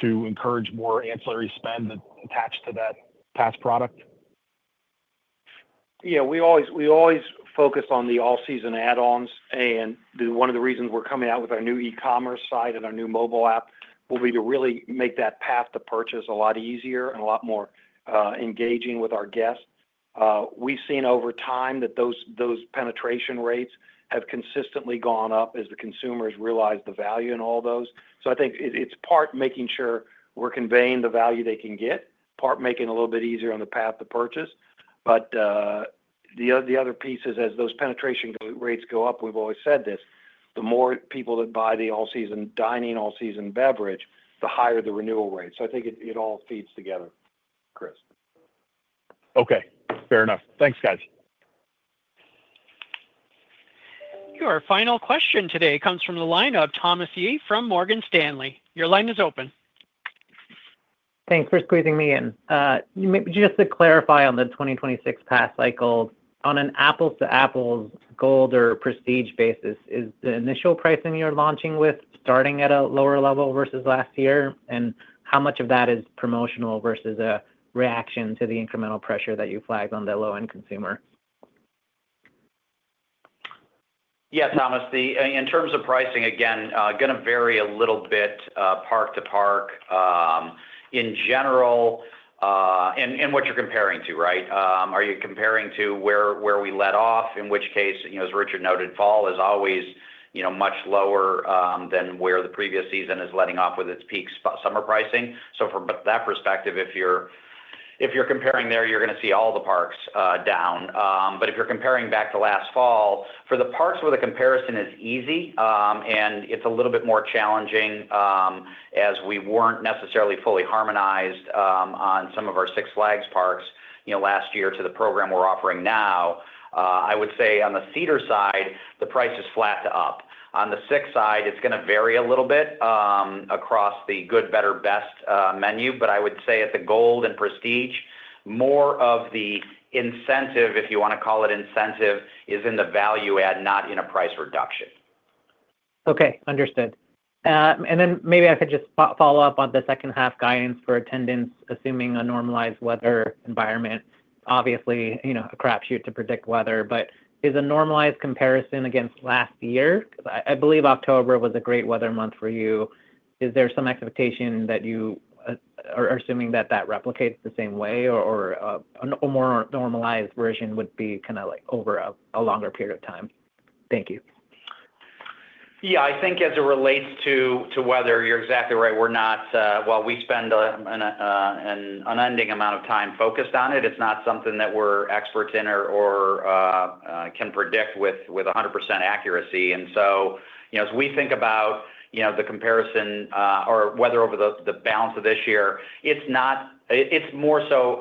encourage more ancillary spend attached to that pass product? Yeah, we always focus on the all-season add-ons, and one of the reasons we're coming out with our new e-commerce site and our new mobile app is to really make that path to purchase a lot easier and a lot more engaging with our guests. We've seen over time that those penetration rates have consistently gone up as the consumers realize the value in all those. I think it's part making sure we're conveying the value they can get, part making it a little bit easier on the path to purchase. The other piece is, as those penetration rates go up, we've always said this, the more people that buy the all-season dining, all-season beverage, the higher the renewal rate. I think it all feeds together, Chris. Okay, fair enough. Thanks, guys. Your final question today comes from the line of Thomas Yeh from Morgan Stanley. Your line is open. Thanks for squeezing me in. Just to clarify on the 2026 pass cycle, on an apples-to-apples Gold or Prestige basis, is the initial pricing you're launching with starting at a lower level versus last year, and how much of that is promotional versus a reaction to the incremental pressure that you flagged on the low-end consumer? Yes, Thomas. In terms of pricing, again, going to vary a little bit park to park in general and what you're comparing to, right? Are you comparing to where we let off, in which case, as Richard noted, fall is always much lower than where the previous season is letting off with its peak summer pricing. From that perspective, if you're comparing there, you're going to see all the parks down. If you're comparing back to last fall, for the parks where the comparison is easy, and it's a little bit more challenging as we weren't necessarily fully harmonized on some of our Six Flags parks last year to the program we're offering now, I would say on the Cedar side, the price is flat to up. On the Six side, it's going to vary a little bit across the good, better, best menu. I would say at the gold and prestige, more of the incentive, if you want to call it incentive, is in the value add, not in a price reduction. Okay, understood. Maybe I could just follow up on the second half guidance for attendance, assuming a normalized weather environment. Obviously, you know, a crapshoot to predict weather, but is a normalized comparison against last year? I believe October was a great weather month for you. Is there some expectation that you are assuming that that replicates the same way, or a more normalized version would be kind of like over a longer period of time? Thank you. Yeah, I think as it relates to weather, you're exactly right. We're not, while we spend an unending amount of time focused on it, it's not something that we're experts in or can predict with 100% accuracy. As we think about the comparison or weather over the balance of this year, it's more so,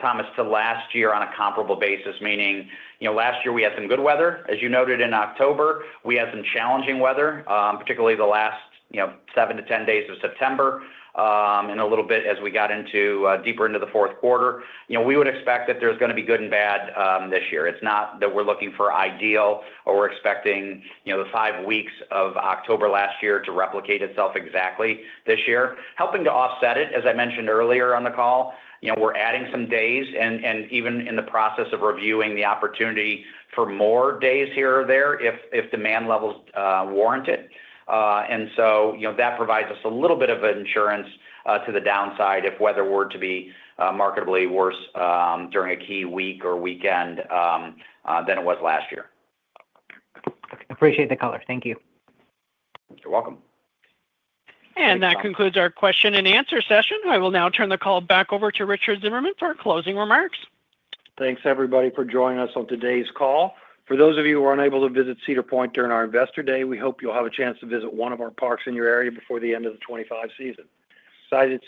Thomas, to last year on a comparable basis, meaning last year we had some good weather. As you noted in October, we had some challenging weather, particularly the last seven to ten days of September, and a little bit as we got deeper into the fourth quarter. We would expect that there's going to be good and bad this year. It's not that we're looking for ideal or we're expecting the five weeks of October last year to replicate itself exactly this year. Helping to offset it, as I mentioned earlier on the call, we're adding some days and even in the process of reviewing the opportunity for more days here or there if demand levels warrant it. That provides us a little bit of insurance to the downside if weather were to be marketably worse during a key week or weekend than it was last year. Appreciate the color. Thank you. You're welcome. That concludes our question and answer session. I will now turn the call back over to Richard Zimmerman for closing remarks. Thanks, everybody, for joining us on today's call. For those of you who are unable to visit Cedar Point during our Investor Day, we hope you'll have a chance to visit one of our parks in your area before the end of the 2025 season. Excited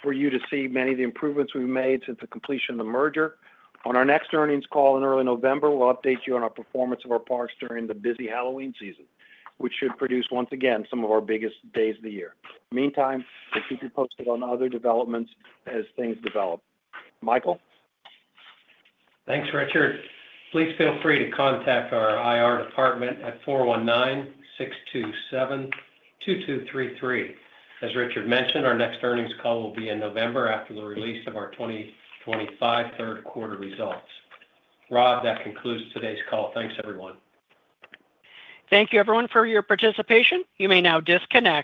for you to see many of the improvements we've made since the completion of the merger. On our next earnings call in early November, we'll update you on our performance of our parks during the busy Halloween season, which should produce once again some of our biggest days of the year. In the meantime, we'll keep you posted on other developments as things develop. Michael? Thanks, Richard. Please feel free to contact our IR department at 419-627-2233. As Richard mentioned, our next earnings call will be in November after the release of our 2025 third quarter results. Rob, that concludes today's call. Thanks, everyone. Thank you, everyone, for your participation. You may now disconnect.